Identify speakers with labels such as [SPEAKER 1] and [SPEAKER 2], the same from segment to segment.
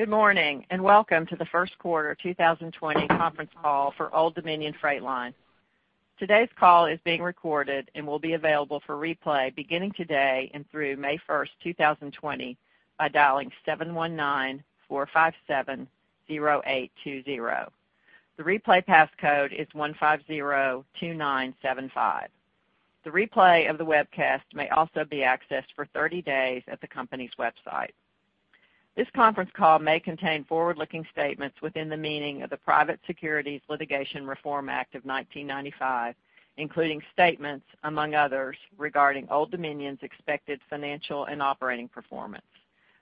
[SPEAKER 1] Good morning, and welcome to the first quarter 2020 conference call for Old Dominion Freight Line. Today's call is being recorded and will be available for replay beginning today and through May 1st, 2020, by dialing 719-457-0820. The replay passcode is 1502975. The replay of the webcast may also be accessed for 30 days at the company's website. This conference call may contain forward-looking statements within the meaning of the Private Securities Litigation Reform Act of 1995, including statements, among others, regarding Old Dominion's expected financial and operating performance.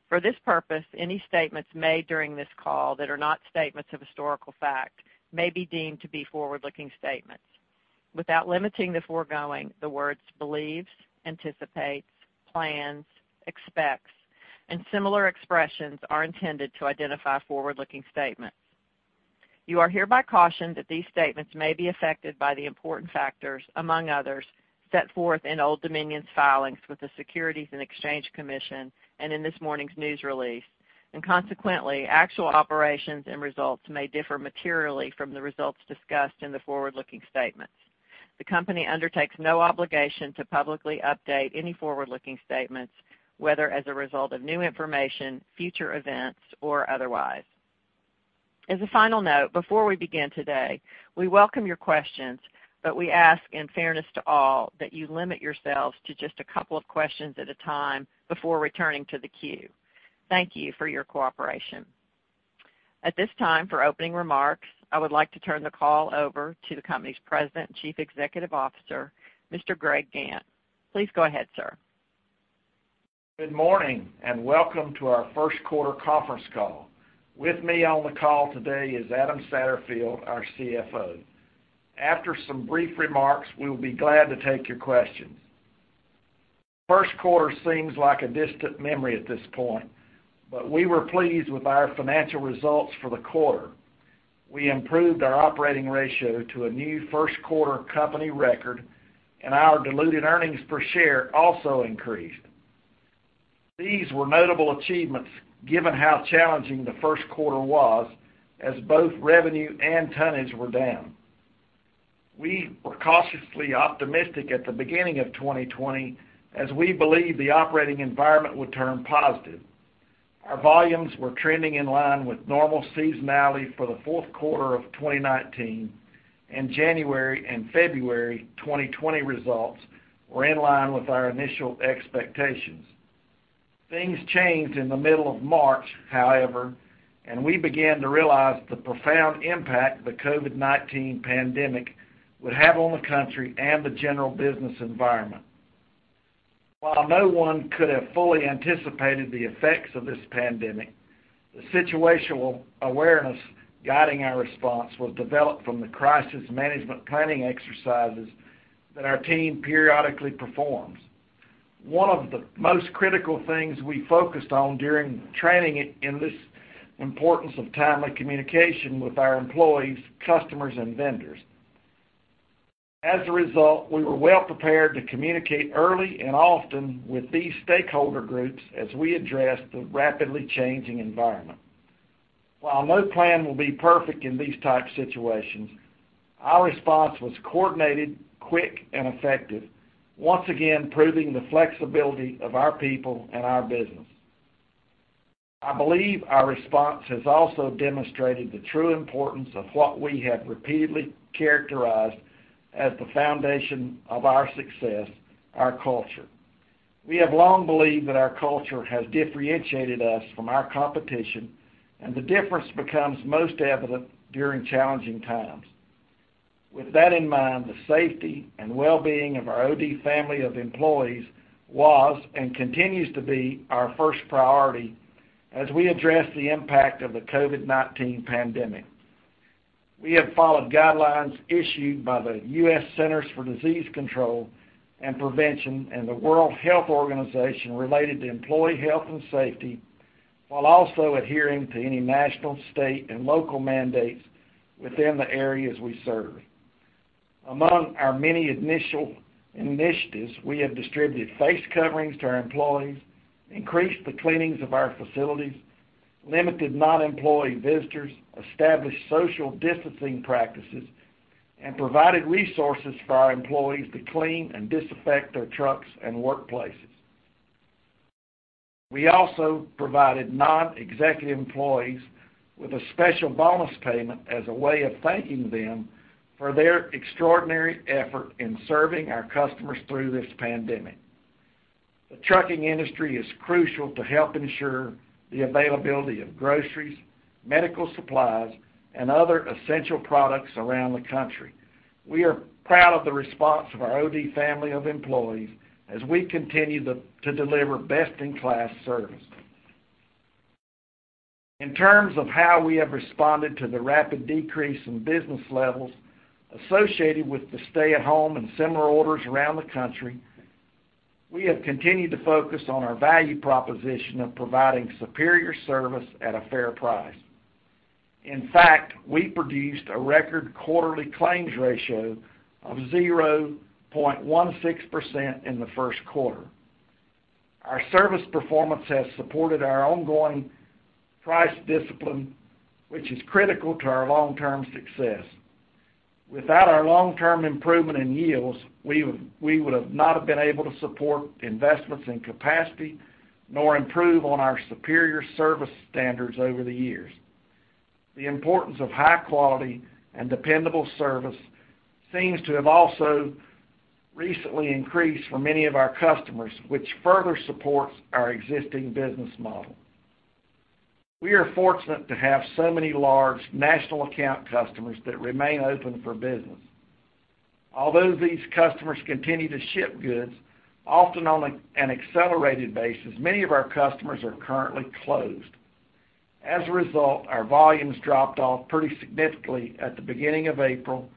[SPEAKER 1] For this purpose, any statements made during this call that are not statements of historical fact may be deemed to be forward-looking statements. Without limiting the foregoing, the words believes, anticipates, plans, expects, and similar expressions are intended to identify forward-looking statements. You are hereby cautioned that these statements may be affected by the important factors, among others, set forth in Old Dominion's filings with the Securities and Exchange Commission and in this morning's news release, and consequently, actual operations and results may differ materially from the results discussed in the forward-looking statements. The company undertakes no obligation to publicly update any forward-looking statements, whether as a result of new information, future events, or otherwise. As a final note, before we begin today, we welcome your questions, but we ask in fairness to all that you limit yourselves to just a couple of questions at a time before returning to the queue. Thank you for your cooperation. At this time, for opening remarks, I would like to turn the call over to the company's President and Chief Executive Officer, Mr. Greg Gantt. Please go ahead, sir.
[SPEAKER 2] Good morning, and welcome to our first quarter conference call. With me on the call today is Adam Satterfield, our CFO. After some brief remarks, we will be glad to take your questions. First quarter seems like a distant memory at this point, but we were pleased with our financial results for the quarter. We improved our operating ratio to a new first quarter company record, and our diluted earnings per share also increased. These were notable achievements given how challenging the first quarter was, as both revenue and tonnage were down. We were cautiously optimistic at the beginning of 2020 as we believed the operating environment would turn positive. Our volumes were trending in line with normal seasonality for the fourth quarter of 2019, and January and February 2020 results were in line with our initial expectations. Things changed in the middle of March, however, and we began to realize the profound impact the COVID-19 pandemic would have on the country and the general business environment. While no one could have fully anticipated the effects of this pandemic, the situational awareness guiding our response was developed from the crisis management planning exercises that our team periodically performs. One of the most critical things we focused on during training in this importance of timely communication with our employees, customers, and vendors. As a result, we were well prepared to communicate early and often with these stakeholder groups as we addressed the rapidly changing environment. While no plan will be perfect in these types of situations, our response was coordinated, quick, and effective, once again proving the flexibility of our people and our business. I believe our response has also demonstrated the true importance of what we have repeatedly characterized as the foundation of our success, our culture. We have long believed that our culture has differentiated us from our competition, and the difference becomes most evident during challenging times. With that in mind, the safety and well-being of our OD family of employees was, and continues to be, our first priority as we address the impact of the COVID-19 pandemic. We have followed guidelines issued by the U.S. Centers for Disease Control and Prevention and the World Health Organization related to employee health and safety, while also adhering to any national, state, and local mandates within the areas we serve. Among our many initial initiatives, we have distributed face coverings to our employees, increased the cleanings of our facilities, limited non-employee visitors, established social distancing practices, and provided resources for our employees to clean and disinfect their trucks and workplaces. We also provided non-executive employees with a special bonus payment as a way of thanking them for their extraordinary effort in serving our customers through this pandemic. The trucking industry is crucial to help ensure the availability of groceries, medical supplies, and other essential products around the country. We are proud of the response of our OD family of employees as we continue to deliver best-in-class service. In terms of how we have responded to the rapid decrease in business levels associated with the stay-at-home and similar orders around the country, we have continued to focus on our value proposition of providing superior service at a fair price. In fact, we produced a record quarterly claims ratio of 0.16% in the first quarter. Our service performance has supported our ongoing price discipline, which is critical to our long-term success. Without our long-term improvement in yields, we would have not been able to support investments in capacity, nor improve on our superior service standards over the years. The importance of high quality and dependable service seems to have also recently increased for many of our customers, which further supports our existing business model. We are fortunate to have so many large national account customers that remain open for business. Although these customers continue to ship goods, often on an accelerated basis, many of our customers are currently closed. Our volumes dropped off pretty significantly at the beginning of April,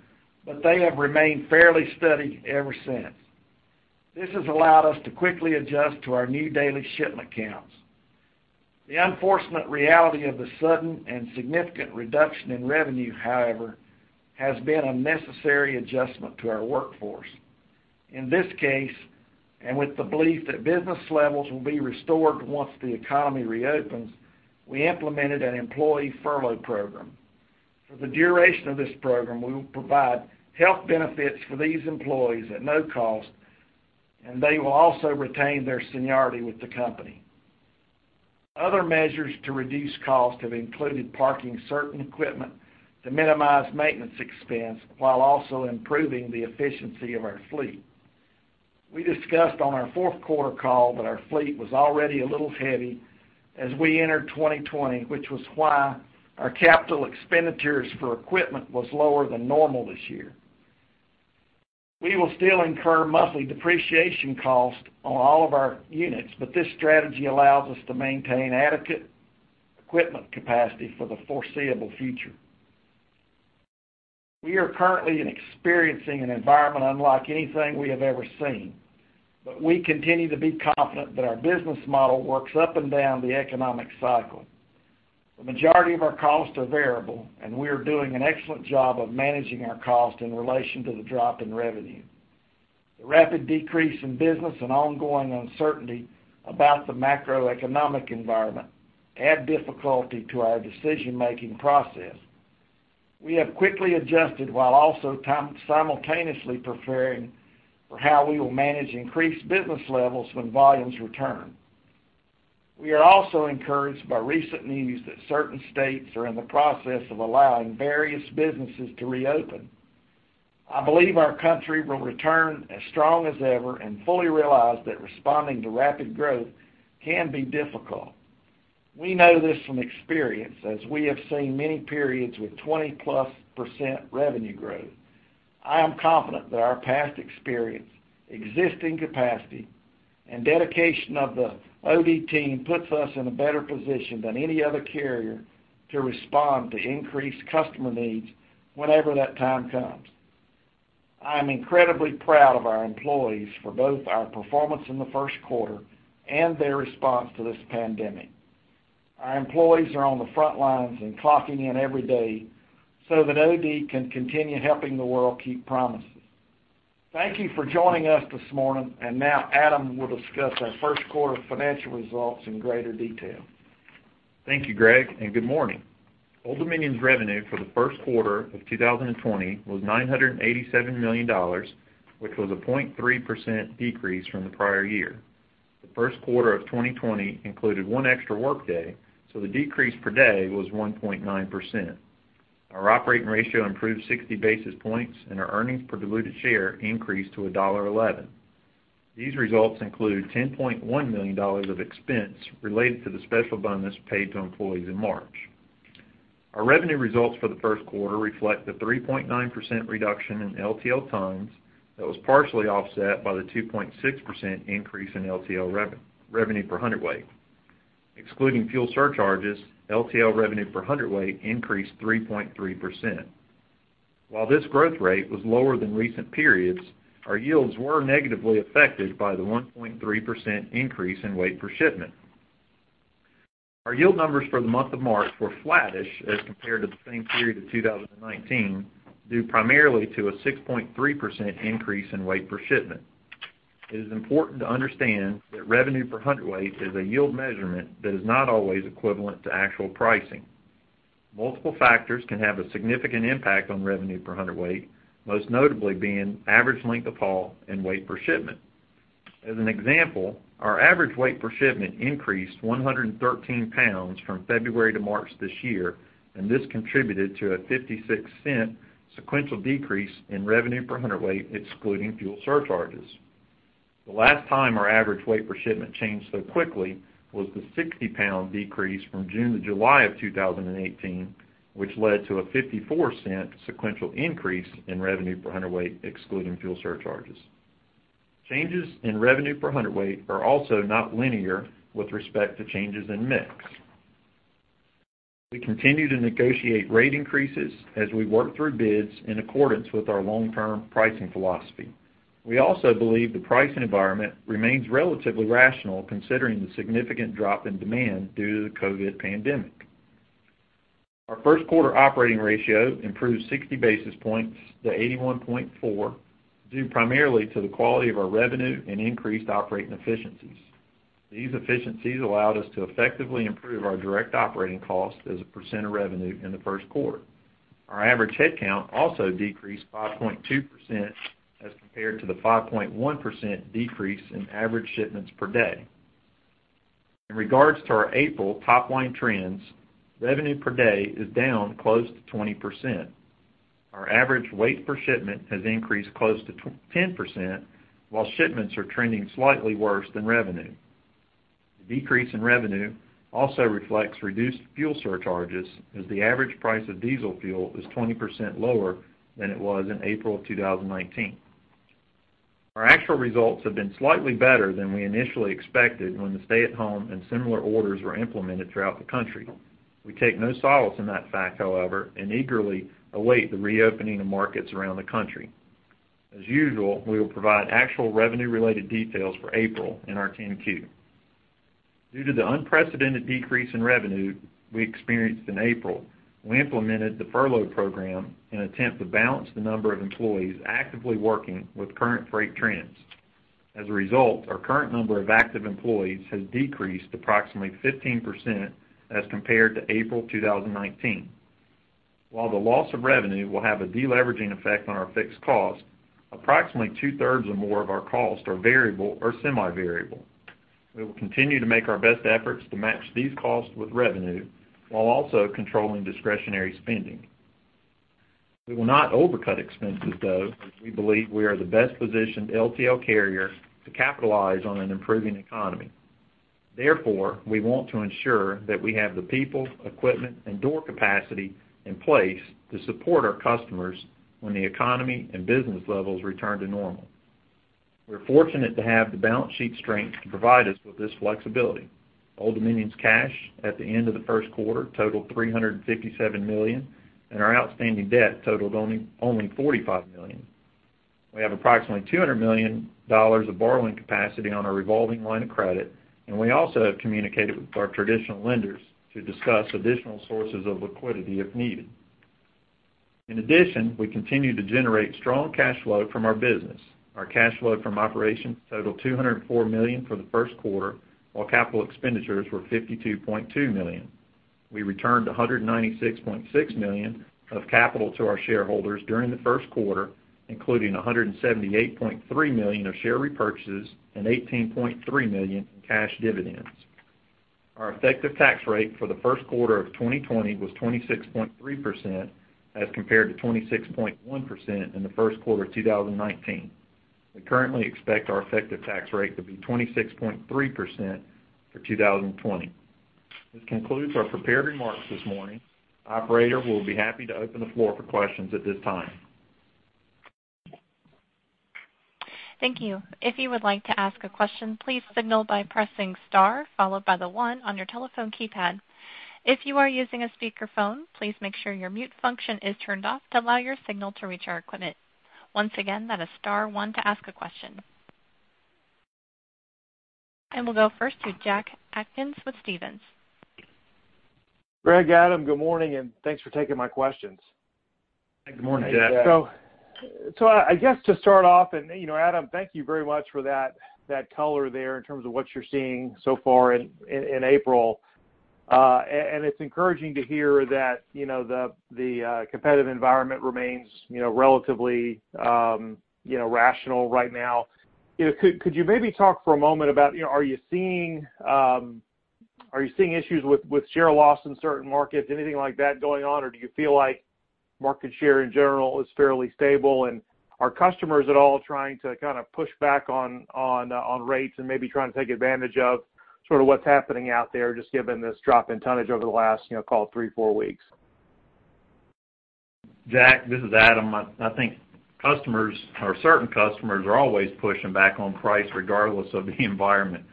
[SPEAKER 2] but they have remained fairly steady ever since. This has allowed us to quickly adjust to our new daily shipment counts. The unfortunate reality of the sudden and significant reduction in revenue, however, has been a necessary adjustment to our workforce. In this case, and with the belief that business levels will be restored once the economy reopens, we implemented an employee furlough program. For the duration of this program, we will provide health benefits for these employees at no cost, and they will also retain their seniority with the company. Other measures to reduce cost have included parking certain equipment to minimize maintenance expense, while also improving the efficiency of our fleet. We discussed on our fourth quarter call that our fleet was already a little heavy as we entered 2020, which was why our capital expenditures for equipment was lower than normal this year. We will still incur monthly depreciation cost on all of our units, but this strategy allows us to maintain adequate equipment capacity for the foreseeable future. We are currently experiencing an environment unlike anything we have ever seen. We continue to be confident that our business model works up and down the economic cycle. The majority of our costs are variable, and we are doing an excellent job of managing our cost in relation to the drop in revenue. The rapid decrease in business and ongoing uncertainty about the macroeconomic environment add difficulty to our decision-making process. We have quickly adjusted, while also simultaneously preparing for how we will manage increased business levels when volumes return. We are also encouraged by recent news that certain states are in the process of allowing various businesses to reopen. I believe our country will return as strong as ever and fully realize that responding to rapid growth can be difficult. We know this from experience, as we have seen many periods with 20+% revenue growth. I am confident that our past experience, existing capacity, and dedication of the OD team puts us in a better position than any other carrier to respond to increased customer needs whenever that time comes. I am incredibly proud of our employees for both our performance in the first quarter and their response to this pandemic. Our employees are on the front lines and clocking in every day so that OD can continue helping the world keep promises. Thank you for joining us this morning. Now Adam will discuss our first quarter financial results in greater detail.
[SPEAKER 3] Thank you, Greg, and good morning. Old Dominion's revenue for the first quarter of 2020 was $987 million, which was a 0.3% decrease from the prior year. The first quarter of 2020 included one extra workday. The decrease per day was 1.9%. Our operating ratio improved 60 basis points. Our earnings per diluted share increased to $1.11. These results include $10.1 million of expense related to the special bonus paid to employees in March. Our revenue results for the first quarter reflect the 3.9% reduction in LTL tons that was partially offset by the 2.6% increase in LTL revenue per hundredweight. Excluding Fuel surcharges, LTL revenue per hundredweight increased 3.3%. While this growth rate was lower than recent periods, our yields were negatively affected by the 1.3% increase in weight per shipment. Our yield numbers for the month of March were flattish as compared to the same period of 2019, due primarily to a 6.3% increase in weight per shipment. It is important to understand that revenue per hundredweight is a yield measurement that is not always equivalent to actual pricing. Multiple factors can have a significant impact on revenue per hundredweight, most notably being average length of haul and weight per shipment. As an example, our average weight per shipment increased 113 pounds from February to March this year, and this contributed to a $0.56 sequential decrease in revenue per hundredweight, excluding fuel surcharges. The last time our average weight per shipment changed so quickly was the 60-pound decrease from June to July of 2018, which led to a $0.54 sequential increase in revenue per hundredweight, excluding fuel surcharges. Changes in revenue per hundredweight are also not linear with respect to changes in mix. We continue to negotiate rate increases as we work through bids in accordance with our long-term pricing philosophy. We also believe the pricing environment remains relatively rational considering the significant drop in demand due to the COVID pandemic. Our first quarter operating ratio improved 60 basis points to 81.4, due primarily to the quality of our revenue and increased operating efficiencies. These efficiencies allowed us to effectively improve our direct operating cost as a percent of revenue in the first quarter. Our average headcount also decreased 5.2% as compared to the 5.1% decrease in average shipments per day. In regards to our April top-line trends, revenue per day is down close to 20%. Our average weight per shipment has increased close to 10%, while shipments are trending slightly worse than revenue. The decrease in revenue also reflects reduced fuel surcharges, as the average price of diesel fuel is 20% lower than it was in April 2019. Our actual results have been slightly better than we initially expected when the stay-at-home and similar orders were implemented throughout the country. We take no solace in that fact, however, and eagerly await the reopening of markets around the country. As usual, we will provide actual revenue-related details for April in our 10-Q. Due to the unprecedented decrease in revenue we experienced in April, we implemented the furlough program in an attempt to balance the number of employees actively working with current freight trends. As a result, our current number of active employees has decreased approximately 15% as compared to April 2019. While the loss of revenue will have a de-leveraging effect on our fixed cost, approximately two-thirds or more of our costs are variable or semi-variable. We will continue to make our best efforts to match these costs with revenue while also controlling discretionary spending. We will not overcut expenses, though, as we believe we are the best-positioned LTL carrier to capitalize on an improving economy. Therefore, we want to ensure that we have the people, equipment, and door capacity in place to support our customers when the economy and business levels return to normal. We're fortunate to have the balance sheet strength to provide us with this flexibility. Old Dominion's cash at the end of the first quarter totaled $357 million, and our outstanding debt totaled only $45 million. We have approximately $200 million of borrowing capacity on our revolving line of credit. We also have communicated with our traditional lenders to discuss additional sources of liquidity if needed. In addition, we continue to generate strong cash flow from our business. Our cash flow from operations totaled $204 million for the first quarter, while capital expenditures were $52.2 million. We returned $196.6 million of capital to our shareholders during the first quarter, including $178.3 million of share repurchases and $18.3 million in cash dividends. Our effective tax rate for the first quarter of 2020 was 26.3% as compared to 26.1% in the first quarter of 2019. We currently expect our effective tax rate to be 26.3% for 2020. This concludes our prepared remarks this morning. Operator, we'll be happy to open the floor for questions at this time.
[SPEAKER 1] Thank you. If you would like to ask a question, please signal by pressing star followed by the one on your telephone keypad. If you are using a speakerphone, please make sure your mute function is turned off to allow your signal to reach our equipment. Once again, that is star one to ask a question. We'll go first to Jack Atkins with Stephens.
[SPEAKER 4] Greg, Adam, good morning, and thanks for taking my questions.
[SPEAKER 3] Good morning, Jack.
[SPEAKER 4] I guess to start off, Adam, thank you very much for that color there in terms of what you're seeing so far in April. It's encouraging to hear that the competitive environment remains relatively rational right now. Could you maybe talk for a moment about, are you seeing issues with share loss in certain markets, anything like that going on? Or do you feel like market share in general is fairly stable, and are customers at all trying to push back on rates and maybe trying to take advantage of what's happening out there, just given this drop in tonnage over the last, call it three, four weeks?
[SPEAKER 3] Jack, this is Adam. I think customers or certain customers are always pushing back on price regardless of the environment.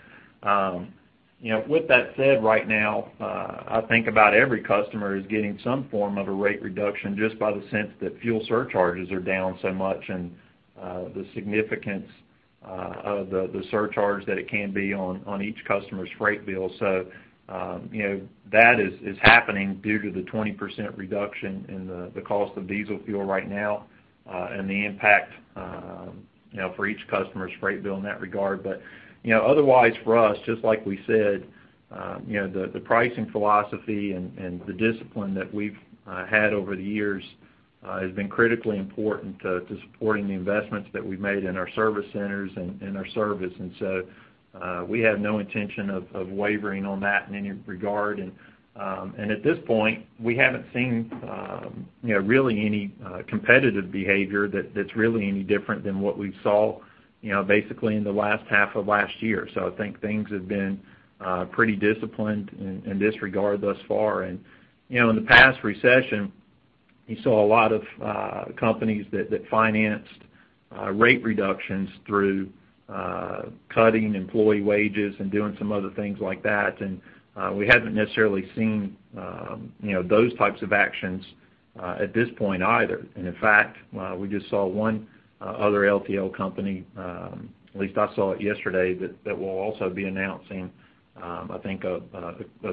[SPEAKER 3] With that said, right now, I think about every customer is getting some form of a rate reduction just by the sense that fuel surcharges are down so much and the significance of the surcharge that it can be on each customer's freight bill. That is happening due to the 20% reduction in the cost of diesel fuel right now, and the impact for each customer's freight bill in that regard. Otherwise, for us, just like we said, the pricing philosophy and the discipline that we've had over the years has been critically important to supporting the investments that we've made in our service centers and our service. We have no intention of wavering on that in any regard. At this point, we haven't seen really any competitive behavior that's really any different than what we saw basically in the last half of last year. I think things have been pretty disciplined in this regard thus far. In the past recession, you saw a lot of companies that financed rate reductions through cutting employee wages and doing some other things like that. We haven't necessarily seen those types of actions at this point either. In fact, we just saw one other LTL company, at least I saw it yesterday, that will also be announcing, I think, a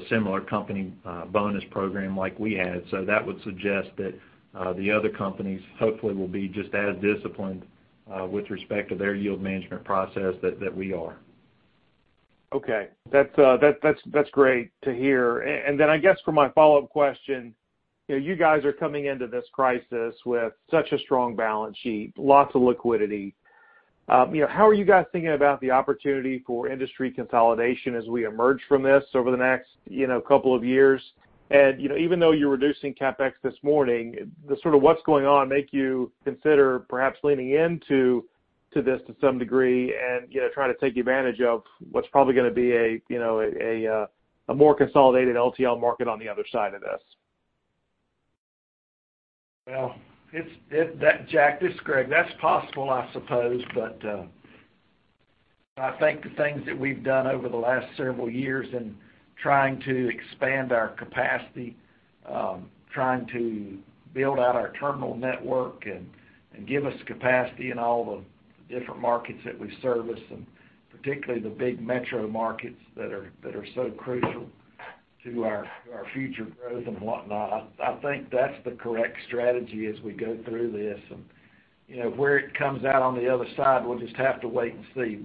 [SPEAKER 3] similar company bonus program like we had. That would suggest that the other companies hopefully will be just as disciplined with respect to their yield management process that we are.
[SPEAKER 4] Okay. That's great to hear. I guess for my follow-up question, you guys are coming into this crisis with such a strong balance sheet, lots of liquidity. How are you guys thinking about the opportunity for industry consolidation as we emerge from this over the next couple of years? Even though you're reducing CapEx this morning, does sort of what's going on make you consider perhaps leaning into this to some degree and try to take advantage of what's probably going to be a more consolidated LTL market on the other side of this?
[SPEAKER 2] Well, Jack, this is Greg. That's possible, I suppose, but I think the things that we've done over the last several years in trying to expand our capacity, trying to build out our terminal network and give us capacity in all the different markets that we service, and particularly the big metro markets that are so crucial to our future growth and whatnot, I think that's the correct strategy as we go through this. Where it comes out on the other side, we'll just have to wait and see.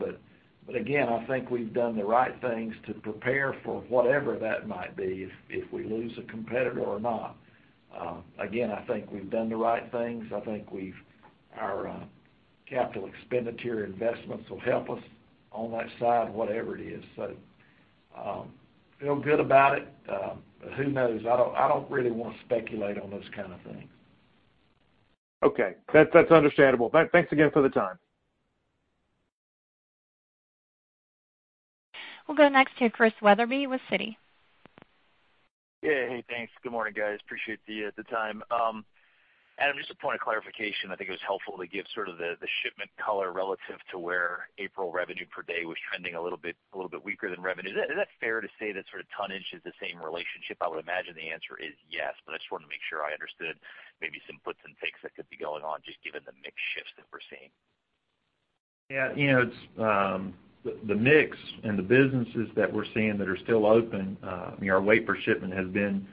[SPEAKER 2] Again, I think we've done the right things to prepare for whatever that might be if we lose a competitor or not. Again, I think we've done the right things. I think our capital expenditure investments will help us on that side, whatever it is. Feel good about it. Who knows? I don't really want to speculate on those kind of things.
[SPEAKER 4] Okay. That's understandable. Thanks again for the time.
[SPEAKER 1] We'll go next to Chris Wetherbee with Citi.
[SPEAKER 5] Yeah. Hey, thanks. Good morning, guys. Appreciate the time. Adam, just a point of clarification. I think it was helpful to give sort of the shipment color relative to where April revenue per day was trending a little bit weaker than revenue. Is that fair to say that sort of tonnage is the same relationship? I would imagine the answer is yes, I just wanted to make sure I understood maybe some puts and takes that could be going on just given the mix shifts that we're seeing.
[SPEAKER 3] Yeah. The mix and the businesses that we're seeing that are still open, our weight per shipment has been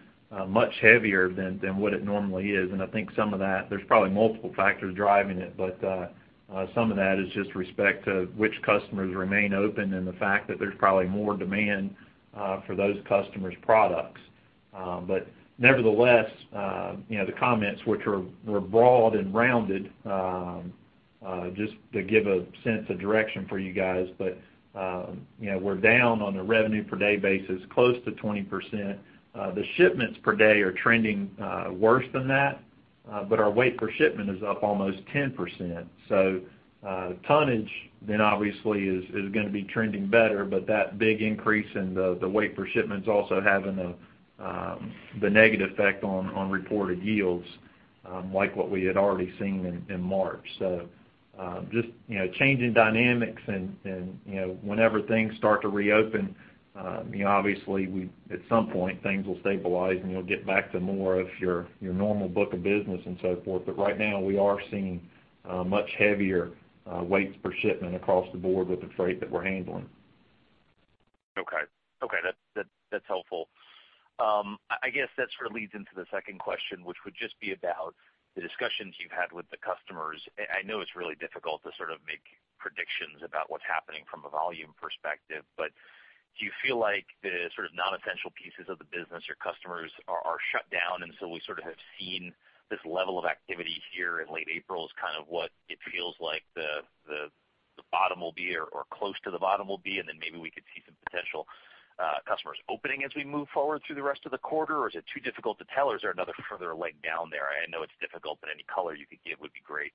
[SPEAKER 3] much heavier than what it normally is, and I think some of that, there's probably multiple factors driving it. Some of that is just respect to which customers remain open and the fact that there's probably more demand for those customers' products. Nevertheless, the comments which were broad and rounded, just to give a sense of direction for you guys, we're down on a revenue per day basis close to 20%. The shipments per day are trending worse than that. Our weight per shipment is up almost 10%. Tonnage then obviously is going to be trending better, that big increase in the weight per shipment is also having the negative effect on reported yields, like what we had already seen in March. Just changing dynamics and whenever things start to reopen, obviously at some point things will stabilize and you'll get back to more of your normal book of business and so forth. Right now we are seeing much heavier weights per shipment across the board with the freight that we're handling.
[SPEAKER 5] Okay. That's helpful. I guess that sort of leads into the second question, which would just be about the discussions you've had with the customers. I know it's really difficult to sort of make predictions about what's happening from a volume perspective, but do you feel like the sort of non-essential pieces of the business or customers are shut down, and so we sort of have seen this level of activity here in late April is kind of what it feels like the bottom will be or close to the bottom will be, and then maybe we could see some potential customers opening as we move forward through the rest of the quarter? Is it too difficult to tell, or is there another further leg down there? I know it's difficult, but any color you could give would be great.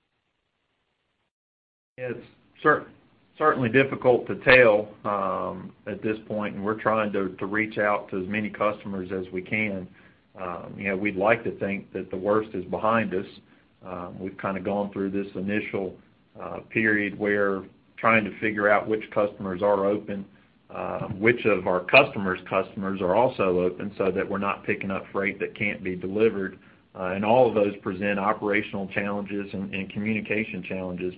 [SPEAKER 3] It's certainly difficult to tell at this point, and we're trying to reach out to as many customers as we can. We'd like to think that the worst is behind us. We've kind of gone through this initial period where trying to figure out which customers are open, which of our customers' customers are also open so that we're not picking up freight that can't be delivered. All of those present operational challenges and communication challenges.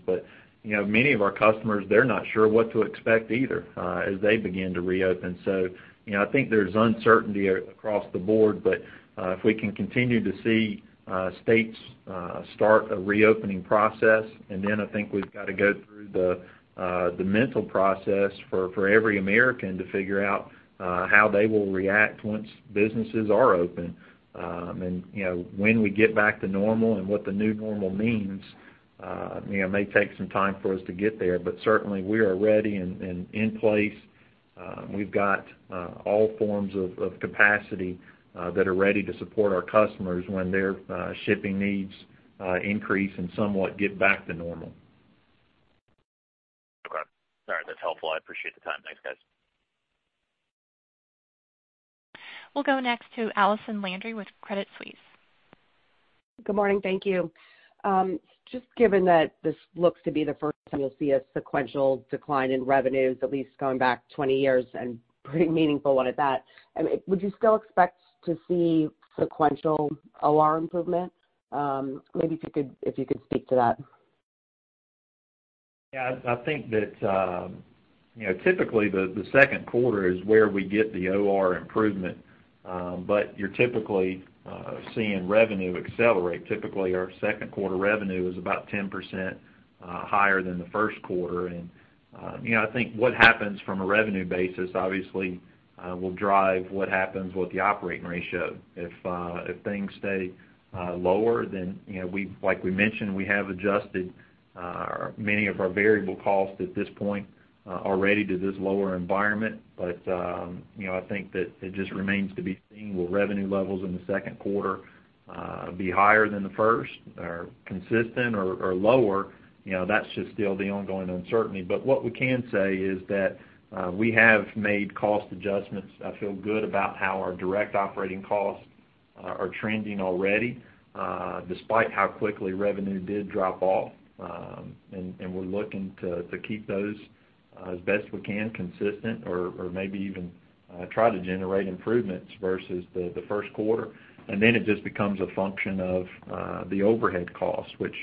[SPEAKER 3] Many of our customers, they're not sure what to expect either as they begin to reopen. I think there's uncertainty across the board. If we can continue to see states start a reopening process, and then I think we've got to go through the mental process for every American to figure out how they will react once businesses are open. When we get back to normal and what the new normal means, it may take some time for us to get there, but certainly we are ready and in place. We've got all forms of capacity that are ready to support our customers when their shipping needs increase and somewhat get back to normal.
[SPEAKER 5] That's helpful. I appreciate the time. Thanks, guys.
[SPEAKER 1] We'll go next to Allison Landry with Credit Suisse.
[SPEAKER 6] Good morning. Thank you. Just given that this looks to be the first time you'll see a sequential decline in revenues, at least going back 20 years, and a pretty meaningful one at that, would you still expect to see sequential OR improvement? Maybe if you could speak to that.
[SPEAKER 3] Yeah. I think that typically, the second quarter is where we get the OR improvement. You're typically seeing revenue accelerate. Typically, our second quarter revenue is about 10% higher than the first quarter. I think what happens from a revenue basis, obviously, will drive what happens with the operating ratio. If things stay lower, like we mentioned, we have adjusted many of our variable costs at this point already to this lower environment. I think that it just remains to be seen. Will revenue levels in the second quarter be higher than the first, or consistent, or lower? That's just still the ongoing uncertainty. What we can say is that we have made cost adjustments. I feel good about how our direct operating costs are trending already, despite how quickly revenue did drop off. We're looking to keep those, as best we can, consistent or maybe even try to generate improvements versus the first quarter. Then it just becomes a function of the overhead costs. Which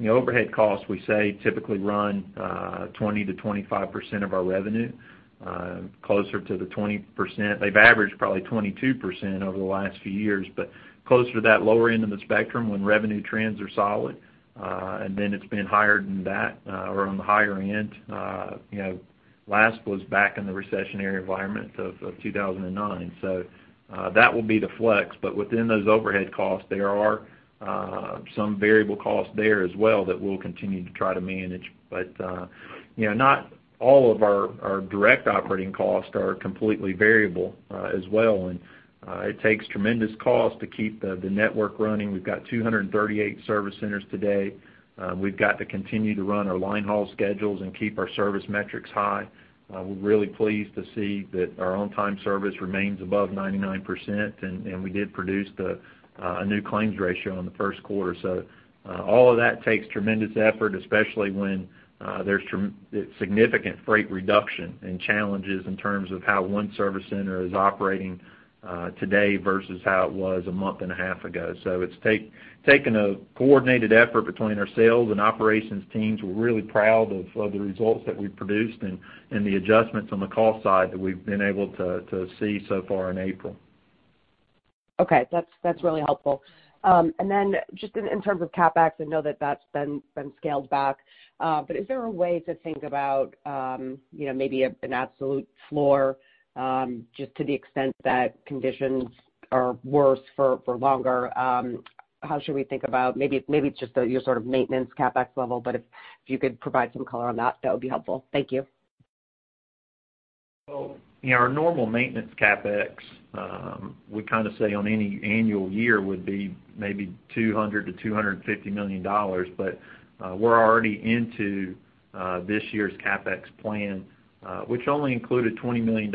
[SPEAKER 3] the overhead costs, we say, typically run 20%-25% of our revenue, closer to the 20%. They've averaged probably 22% over the last few years, but closer to that lower end of the spectrum when revenue trends are solid. Then it's been higher than that or on the higher end. Last was back in the recessionary environment of 2009. That will be the flex. Within those overhead costs, there are some variable costs there as well that we'll continue to try to manage. Not all of our direct operating costs are completely variable as well. It takes tremendous cost to keep the network running. We've got 238 service centers today. We've got to continue to run our line haul schedules and keep our service metrics high. We're really pleased to see that our on-time service remains above 99%, and we did produce a new claims ratio in the first quarter. All of that takes tremendous effort, especially when there's significant freight reduction and challenges in terms of how one service center is operating today versus how it was a month and a half ago. It's taken a coordinated effort between our sales and operations teams. We're really proud of the results that we've produced and the adjustments on the cost side that we've been able to see so far in April.
[SPEAKER 6] Okay. That's really helpful. Just in terms of CapEx, I know that that's been scaled back. Is there a way to think about maybe an absolute floor, just to the extent that conditions are worse for longer? How should we think about maybe just your sort of maintenance CapEx level, but if you could provide some color on that would be helpful. Thank you.
[SPEAKER 3] Well, our normal maintenance CapEx, we say on any annual year, would be maybe $200 million to $250 million. We're already into this year's CapEx plan, which only included $20 million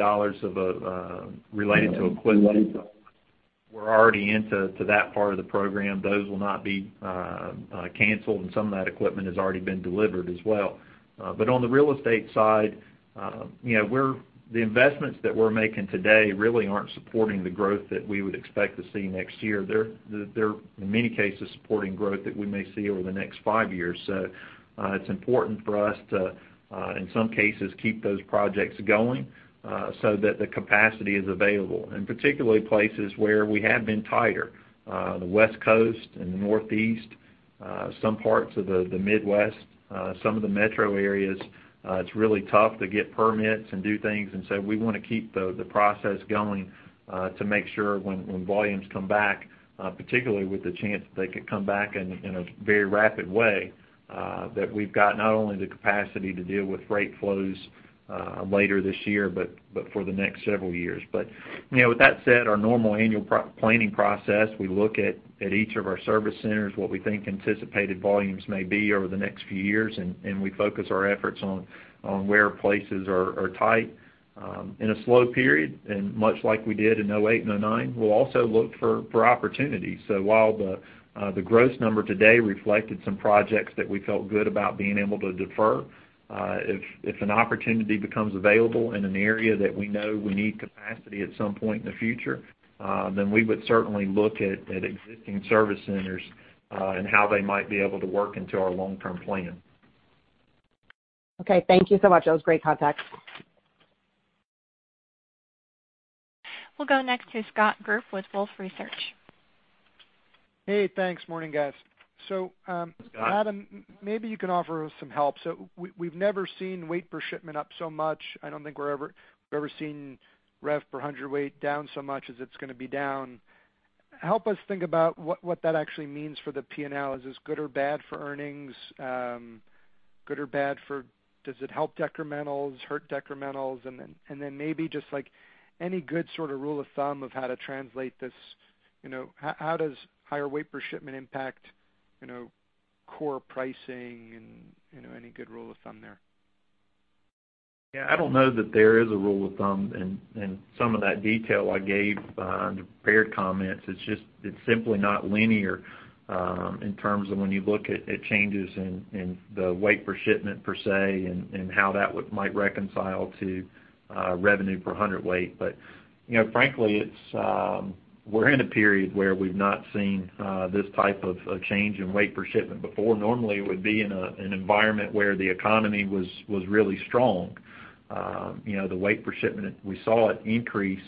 [SPEAKER 3] related to equipment. We're already into that part of the program. Those will not be canceled, and some of that equipment has already been delivered as well. On the real estate side, the investments that we're making today really aren't supporting the growth that we would expect to see next year. They're, in many cases, supporting growth that we may see over the next five years. It's important for us to, in some cases, keep those projects going so that the capacity is available. Particularly places where we have been tighter, the West Coast and the Northeast, some parts of the Midwest, some of the metro areas. It's really tough to get permits and do things, and so we want to keep the process going to make sure when volumes come back, particularly with the chance that they could come back in a very rapid way, that we've got not only the capacity to deal with freight flows later this year, but for the next several years. With that said, our normal annual planning process, we look at each of our service centers, what we think anticipated volumes may be over the next few years, and we focus our efforts on where places are tight. In a slow period, and much like we did in 2008 and 2009, we'll also look for opportunities. While the gross number today reflected some projects that we felt good about being able to defer, if an opportunity becomes available in an area that we know we need capacity at some point in the future, we would certainly look at existing service centers and how they might be able to work into our long-term plan.
[SPEAKER 6] Okay. Thank you so much. That was great context.
[SPEAKER 1] We'll go next to Scott Group with Wolfe Research.
[SPEAKER 7] Hey, thanks, morning guys.
[SPEAKER 3] Scott.
[SPEAKER 7] Adam, maybe you can offer us some help. We've never seen weight per shipment up so much. I don't think we've ever seen Revenue per hundredweight down so much as it's going to be down. Help us think about what that actually means for the P&L. Is this good or bad for earnings? Does it help decrementals, hurt decrementals? Maybe just any good sort of rule of thumb of how to translate this. How does higher weight per shipment impact core pricing and any good rule of thumb there?
[SPEAKER 3] Yeah. I don't know that there is a rule of thumb in some of that detail I gave on prepared comments. It's simply not linear in terms of when you look at changes in the weight per shipment per se and how that might reconcile to revenue per hundredweight. Frankly, we're in a period where we've not seen this type of change in weight per shipment before. Normally, it would be in an environment where the economy was really strong. The weight per shipment, we saw it increase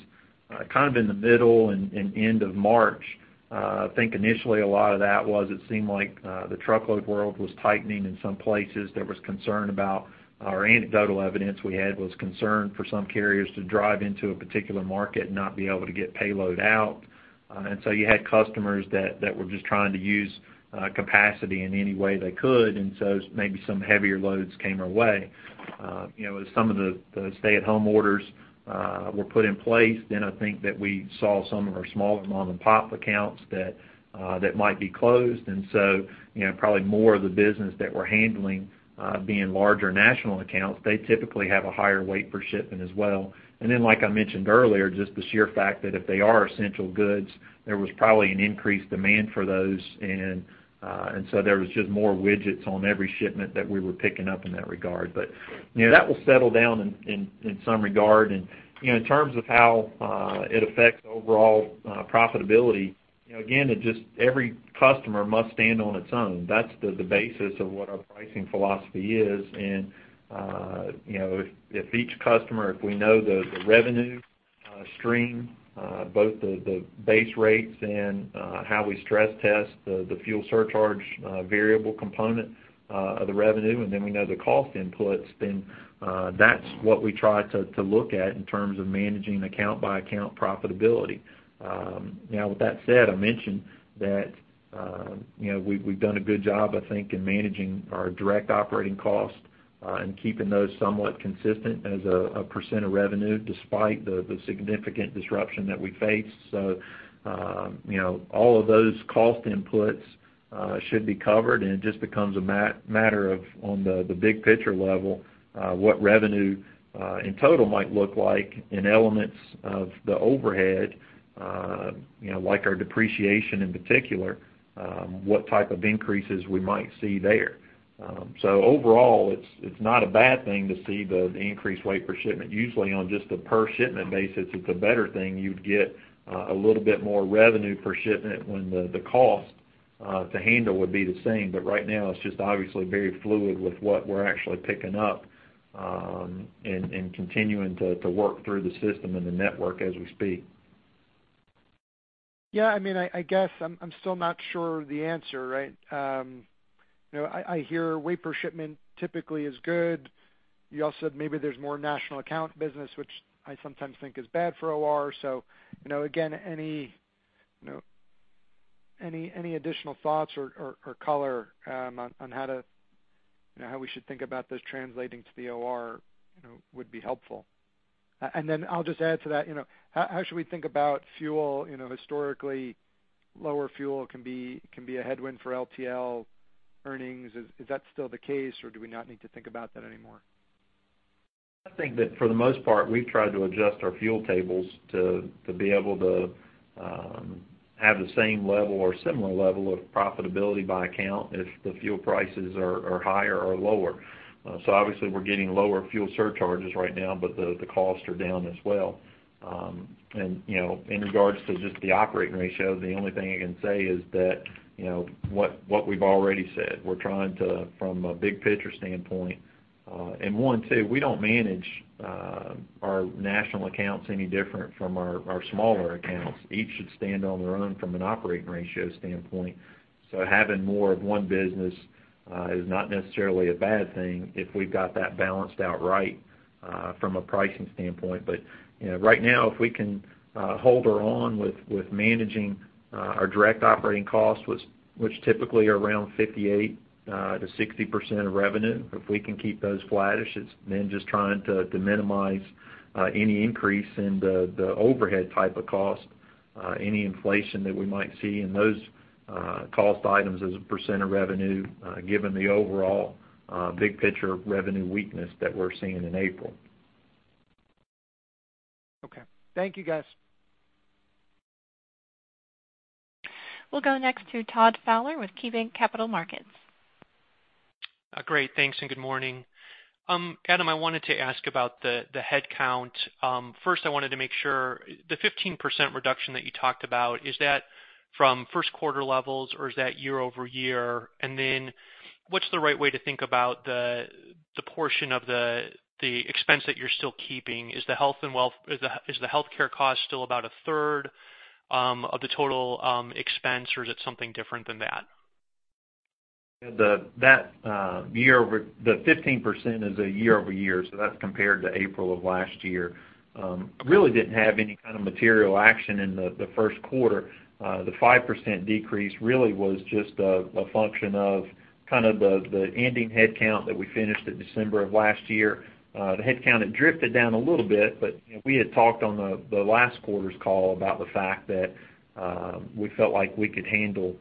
[SPEAKER 3] in the middle and end of March. I think initially a lot of that was it seemed like the truckload world was tightening in some places. There was concern about our anecdotal evidence we had was concern for some carriers to drive into a particular market and not be able to get payload out. You had customers that were just trying to use capacity in any way they could, and so maybe some heavier loads came our way. As some of the stay-at-home orders were put in place, then I think that we saw some of our smaller mom-and-pop accounts that might be closed. Probably more of the business that we're handling being larger national accounts, they typically have a higher weight per shipment as well. Then like I mentioned earlier, just the sheer fact that if they are essential goods, there was probably an increased demand for those. There was just more widgets on every shipment that we were picking up in that regard. That will settle down in some regard. In terms of how it affects overall profitability, again, every customer must stand on its own. That's the basis of what our pricing philosophy is. If each customer, if we know the revenue stream both the base rates and how we stress test the fuel surcharge variable component of the revenue, and then we know the cost inputs, then that's what we try to look at in terms of managing account by account profitability. Now, with that said, I mentioned that we've done a good job, I think, in managing our direct operating cost and keeping those somewhat consistent as a percent of revenue despite the significant disruption that we face. All of those cost inputs should be covered, and it just becomes a matter of on the big picture level what revenue in total might look like in elements of the overhead like our depreciation in particular, what type of increases we might see there. Overall, it's not a bad thing to see the increased weight per shipment. Usually on just a per shipment basis, it's a better thing. You'd get a little bit more revenue per shipment when the cost to handle would be the same. Right now, it's just obviously very fluid with what we're actually picking up and continuing to work through the system and the network as we speak.
[SPEAKER 7] I guess I'm still not sure of the answer. I hear weight per shipment typically is good. You all said maybe there's more national account business, which I sometimes think is bad for OR. Again, any additional thoughts or color on how we should think about this translating to the OR would be helpful. I'll just add to that, how should we think about fuel? Historically, lower fuel can be a headwind for LTL earnings. Is that still the case, or do we not need to think about that anymore?
[SPEAKER 3] I think that for the most part, we've tried to adjust our fuel tables to be able to have the same level or similar level of profitability by account if the fuel prices are higher or lower. Obviously we're getting lower fuel surcharges right now, but the costs are down as well. In regards to just the operating ratio, the only thing I can say is that what we've already said. We're trying to, from a big picture standpoint, and one, two, we don't manage our national accounts any different from our smaller accounts. Each should stand on their own from an operating ratio standpoint. Having more of one business is not necessarily a bad thing if we've got that balanced out right from a pricing standpoint. Right now, if we can hold our own with managing our direct operating costs, which typically are around 58%-60% of revenue, if we can keep those flattish, it's then just trying to minimize any increase in the overhead type of cost, any inflation that we might see in those cost items as a % of revenue given the overall big picture revenue weakness that we're seeing in April.
[SPEAKER 7] Okay. Thank you, guys.
[SPEAKER 1] We'll go next to Todd Fowler with KeyBanc Capital Markets.
[SPEAKER 8] Great. Thanks, good morning. Adam, I wanted to ask about the headcount. First, I wanted to make sure the 15% reduction that you talked about, is that from first quarter levels or is that year-over-year? What's the right way to think about the portion of the expense that you're still keeping? Is the healthcare cost still about a third of the total expense, or is it something different than that?
[SPEAKER 3] The 15% is a year-over-year, so that's compared to April of last year. Really didn't have any kind of material action in the first quarter. The 5% decrease really was just a function of the ending headcount that we finished at December of last year. The headcount had drifted down a little bit, but we had talked on the last quarter's call about the fact that we felt like we could handle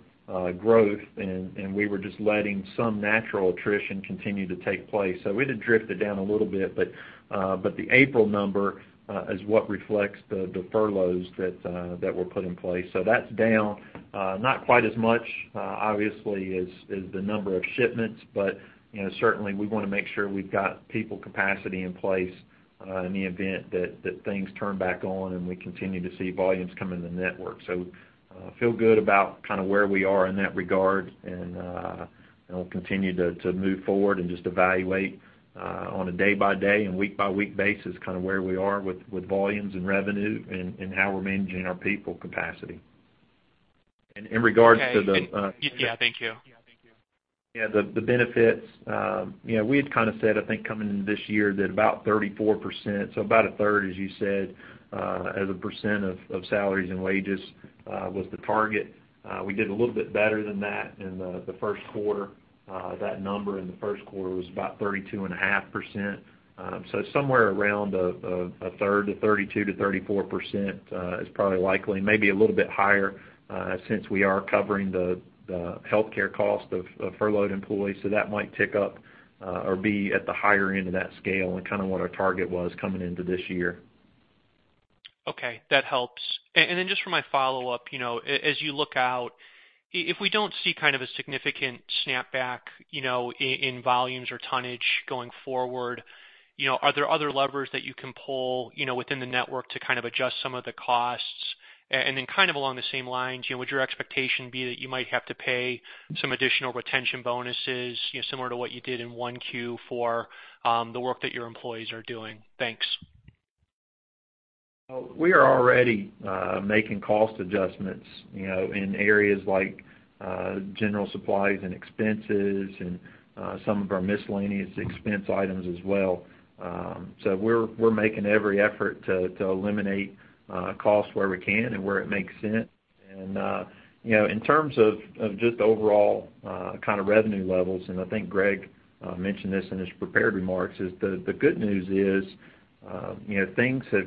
[SPEAKER 3] growth, and we were just letting some natural attrition continue to take place. We had drifted down a little bit, but the April number is what reflects the furloughs that were put in place. That's down not quite as much, obviously, as the number of shipments, but certainly, we want to make sure we've got people capacity in place in the event that things turn back on and we continue to see volumes come in the network. Feel good about where we are in that regard, and we'll continue to move forward and just evaluate on a day-by-day and week-by-week basis where we are with volumes and revenue and how we're managing our people capacity.
[SPEAKER 8] Yeah. Thank you.
[SPEAKER 3] Yeah, the benefits. We had said, I think, coming into this year that about 34%, so about a third, as you said, as a percent of salaries and wages, was the target. We did a little bit better than that in the first quarter. That number in the first quarter was about 32.5%. Somewhere around a third to 32%-34% is probably likely, maybe a little bit higher, since we are covering the healthcare cost of furloughed employees. That might tick up or be at the higher end of that scale and what our target was coming into this year.
[SPEAKER 8] Okay. That helps. Just for my follow-up. As you look out, if we don't see a significant snapback in volumes or tonnage going forward, are there other levers that you can pull within the network to adjust some of the costs? Along the same lines, would your expectation be that you might have to pay some additional retention bonuses similar to what you did in 1Q for the work that your employees are doing? Thanks.
[SPEAKER 3] We are already making cost adjustments in areas like general supplies and expenses and some of our miscellaneous expense items as well. We're making every effort to eliminate costs where we can and where it makes sense. In terms of just overall revenue levels, and I think Greg mentioned this in his prepared remarks, is the good news is things have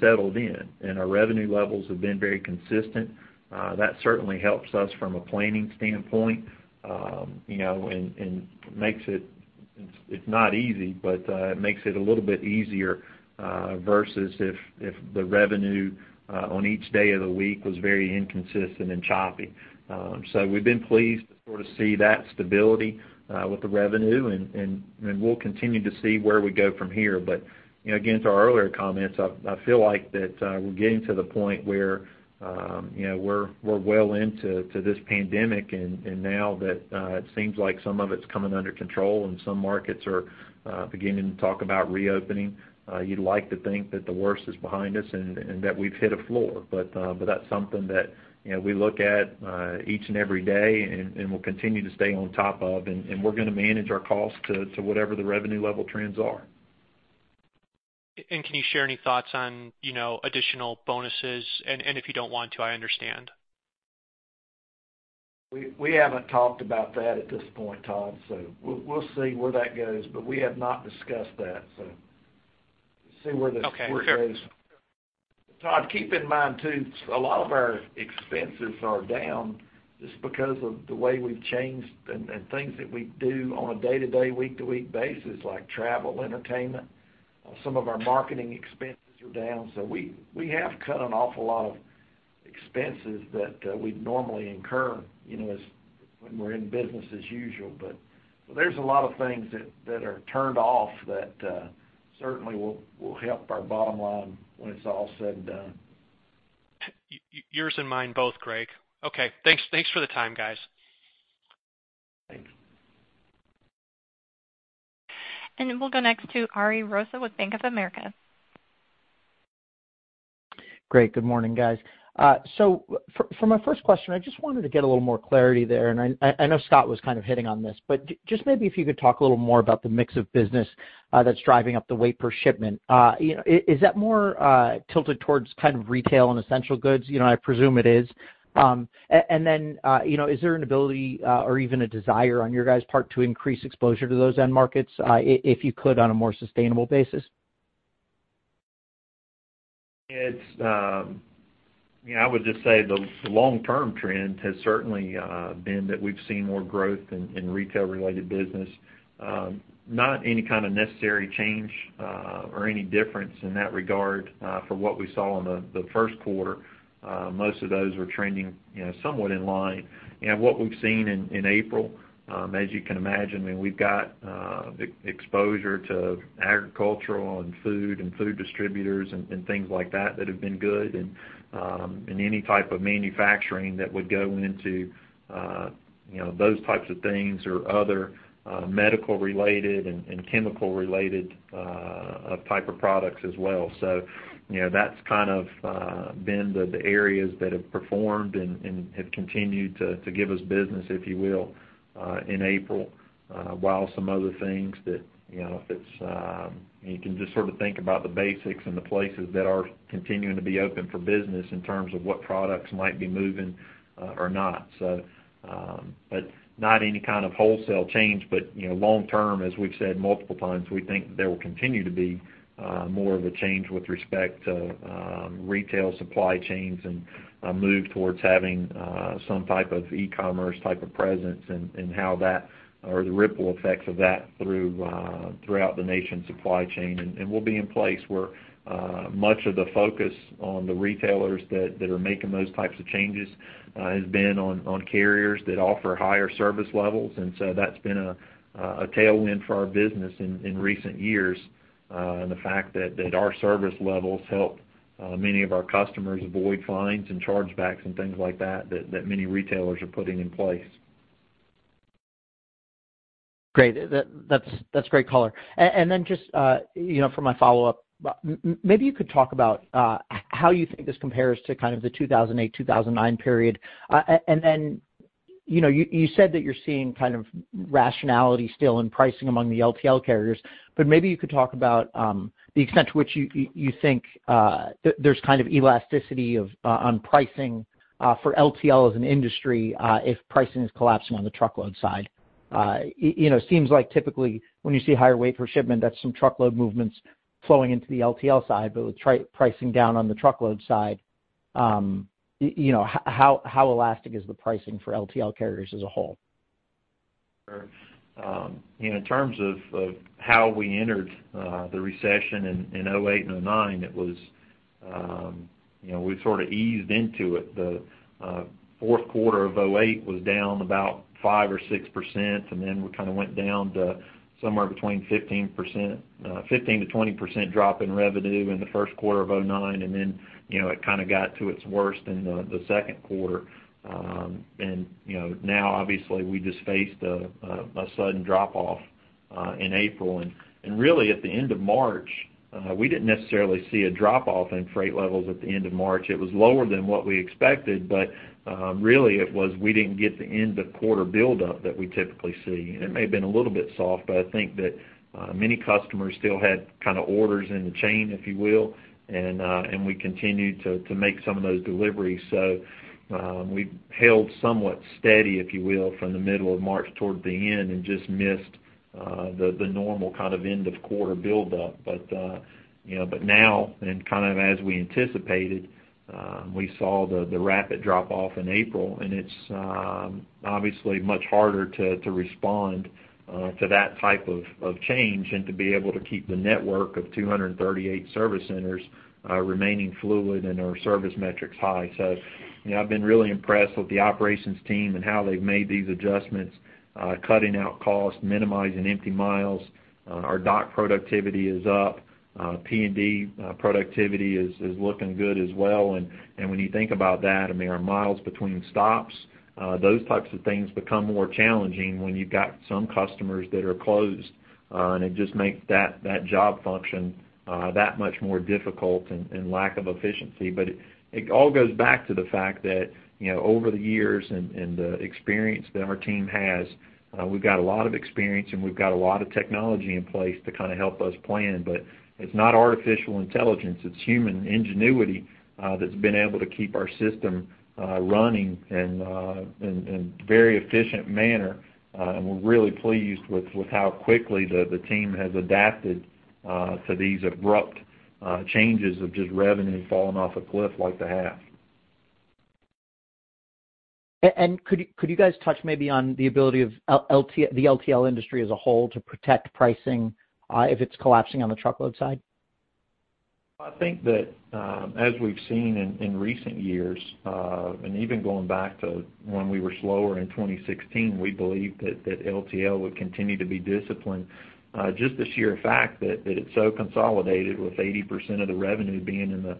[SPEAKER 3] settled in, and our revenue levels have been very consistent. That certainly helps us from a planning standpoint. It's not easy, but it makes it a little bit easier versus if the revenue on each day of the week was very inconsistent and choppy. We've been pleased to see that stability with the revenue, and we'll continue to see where we go from here. Again, to our earlier comments, I feel like that we're getting to the point where we're well into this pandemic, and now that it seems like some of it's coming under control and some markets are beginning to talk about reopening. You'd like to think that the worst is behind us and that we've hit a floor. That's something that we look at each and every day and we'll continue to stay on top of, and we're going to manage our costs to whatever the revenue level trends are.
[SPEAKER 8] Can you share any thoughts on additional bonuses? If you don't want to, I understand.
[SPEAKER 3] We haven't talked about that at this point, Todd, so we'll see where that goes, but we have not discussed that. See where this goes.
[SPEAKER 8] Okay. Fair.
[SPEAKER 2] Todd, keep in mind too, a lot of our expenses are down just because of the way we've changed and things that we do on a day-to-day, week-to-week basis, like travel, entertainment. Some of our marketing expenses are down. We have cut an awful lot of expenses that we'd normally incur when we're in business as usual. There's a lot of things that are turned off that certainly will help our bottom line when it's all said and done.
[SPEAKER 8] Yours and mine both, Greg. Okay. Thanks for the time, guys.
[SPEAKER 3] Thanks.
[SPEAKER 1] We'll go next to Ariel Rosa with Bank of America.
[SPEAKER 9] Great. Good morning, guys. For my first question, I just wanted to get a little more clarity there, and I know Scott was hitting on this. Just maybe if you could talk a little more about the mix of business that's driving up the weight per shipment. Is that more tilted towards retail and essential goods? I presume it is. Then is there an ability or even a desire on your guys' part to increase exposure to those end markets if you could on a more sustainable basis?
[SPEAKER 3] I would just say the long-term trend has certainly been that we've seen more growth in retail-related business. Not any necessary change or any difference in that regard from what we saw in the first quarter. Most of those are trending somewhat in line. What we've seen in April, as you can imagine, we've got exposure to agricultural and food and food distributors and things like that that have been good, and any type of manufacturing that would go into those types of things or other medical-related and chemical-related type of products as well. That's been the areas that have performed and have continued to give us business, if you will, in April. You can just sort of think about the basics and the places that are continuing to be open for business in terms of what products might be moving or not. Not any kind of wholesale change, but long term, as we've said multiple times, we think there will continue to be more of a change with respect to retail supply chains and a move towards having some type of e-commerce type of presence and how that or the ripple effects of that throughout the nation's supply chain. We'll be in place where much of the focus on the retailers that are making those types of changes has been on carriers that offer higher service levels. That's been a tailwind for our business in recent years, and the fact that our service levels help many of our customers avoid fines and chargebacks and things like that many retailers are putting in place.
[SPEAKER 9] Great. That's great color. Just for my follow-up, maybe you could talk about how you think this compares to kind of the 2008, 2009 period. You said that you're seeing kind of rationality still in pricing among the LTL carriers, but maybe you could talk about the extent to which you think there's kind of elasticity on pricing for LTL as an industry if pricing is collapsing on the truckload side. It seems like typically when you see higher weight per shipment, that's some truckload movements flowing into the LTL side. With pricing down on the truckload side, how elastic is the pricing for LTL carriers as a whole?
[SPEAKER 3] In terms of how we entered the recession in 2008 and 2009, we sort of eased into it. The fourth quarter of 2008 was down about 5% or 6%, and then we kind of went down to somewhere between 15%-20% drop in revenue in the first quarter of 2009, and then it kind of got to its worst in the second quarter. Now obviously we just faced a sudden drop-off in April. Really at the end of March, we didn't necessarily see a drop-off in freight levels at the end of March. It was lower than what we expected, but really it was we didn't get the end of quarter buildup that we typically see. It may have been a little bit soft, but I think that many customers still had orders in the chain, if you will, and we continued to make some of those deliveries. We held somewhat steady, if you will, from the middle of March toward the end and just missed the normal kind of end of quarter buildup. Now, and kind of as we anticipated, we saw the rapid drop-off in April, and it's obviously much harder to respond to that type of change and to be able to keep the network of 238 service centers remaining fluid and our service metrics high. I've been really impressed with the operations team and how they've made these adjustments, cutting out costs, minimizing empty miles. Our dock productivity is up. P&D productivity is looking good as well. When you think about that, I mean, our miles between stops, those types of things become more challenging when you've got some customers that are closed, and it just makes that job function that much more difficult and lack of efficiency. It all goes back to the fact that over the years and the experience that our team has, we've got a lot of experience, and we've got a lot of technology in place to help us plan. It's not artificial intelligence, it's human ingenuity that's been able to keep our system running in very efficient manner. We're really pleased with how quickly the team has adapted to these abrupt changes of just revenue falling off a cliff like they have.
[SPEAKER 9] Could you guys touch maybe on the ability of the LTL industry as a whole to protect pricing if it's collapsing on the truckload side?
[SPEAKER 3] I think that as we've seen in recent years, and even going back to when we were slower in 2016, we believed that LTL would continue to be disciplined. Just the sheer fact that it's so consolidated with 80% of the revenue being in the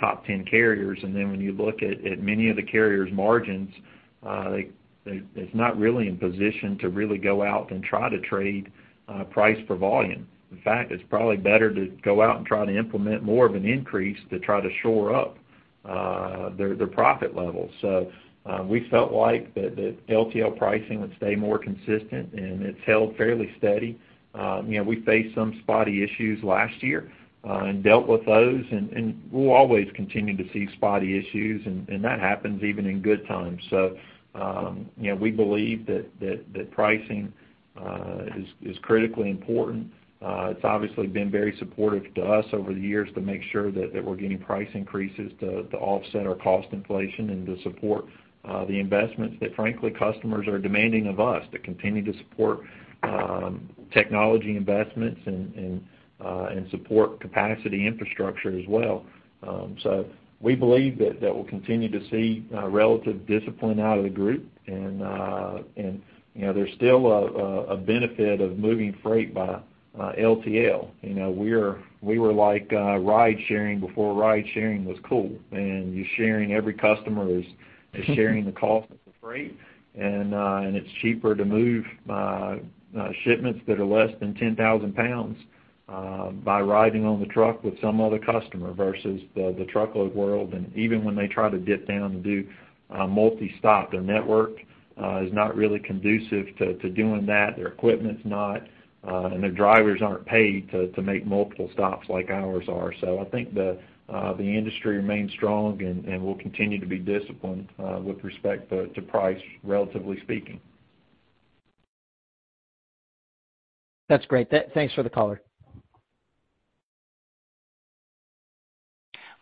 [SPEAKER 3] top 10 carriers, and then when you look at many of the carriers' margins, it's not really in position to really go out and try to trade price for volume. In fact, it's probably better to go out and try to implement more of an increase to try to shore up their profit levels. We felt like that LTL pricing would stay more consistent, and it's held fairly steady. We faced some spotty issues last year and dealt with those, and we'll always continue to see spotty issues, and that happens even in good times. We believe that pricing is critically important. It's obviously been very supportive to us over the years to make sure that we're getting price increases to offset our cost inflation and to support the investments that frankly, customers are demanding of us to continue to support technology investments and support capacity infrastructure as well. We believe that we'll continue to see relative discipline out of the group, and there's still a benefit of moving freight by LTL. We were like ride sharing before ride sharing was cool, and you're sharing every customer is sharing the cost of the freight, and it's cheaper to move shipments that are less than 10,000 pounds by riding on the truck with some other customer versus the truckload world. Even when they try to dip down and do multi-stop, their network is not really conducive to doing that, their equipment's not, and their drivers aren't paid to make multiple stops like ours are. I think the industry remains strong, and we'll continue to be disciplined with respect to price, relatively speaking.
[SPEAKER 9] That's great. Thanks for the color.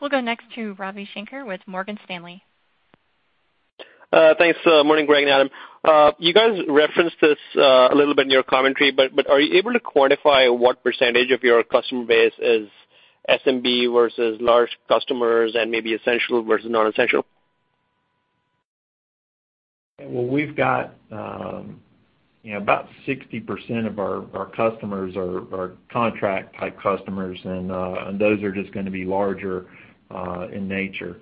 [SPEAKER 1] We'll go next to Ravi Shanker with Morgan Stanley.
[SPEAKER 10] Thanks. Morning, Greg and Adam. You guys referenced this a little bit in your commentary, are you able to quantify what percentage of your customer base is SMB versus large customers and maybe essential versus non-essential?
[SPEAKER 3] We've got about 60% of our customers are contract-type customers, and those are just going to be larger in nature.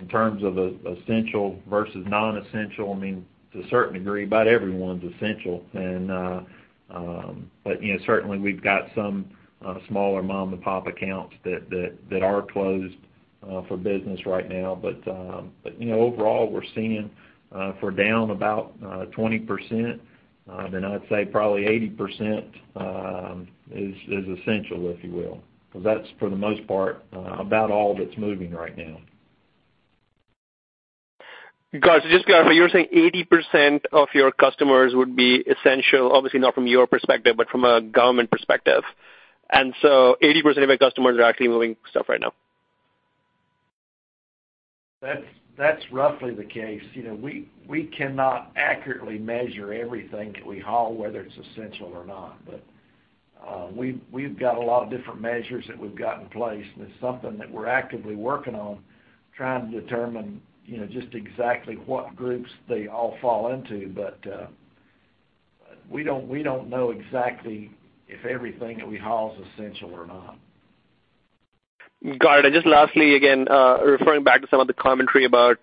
[SPEAKER 3] In terms of essential versus non-essential, to a certain degree, about everyone's essential. Certainly, we've got some smaller mom-and-pop accounts that are closed for business right now. Overall, we're seeing if we're down about 20%, then I'd say probably 80% is essential, if you will, because that's, for the most part, about all that's moving right now.
[SPEAKER 10] Got you. Just to clarify, you're saying 80% of your customers would be essential, obviously not from your perspective, but from a government perspective. 80% of your customers are actually moving stuff right now.
[SPEAKER 3] That's roughly the case. We cannot accurately measure everything that we haul, whether it's essential or not. We've got a lot of different measures that we've got in place, and it's something that we're actively working on, trying to determine just exactly what groups they all fall into. We don't know exactly if everything that we haul is essential or not.
[SPEAKER 10] Got it. Just lastly, again, referring back to some of the commentary about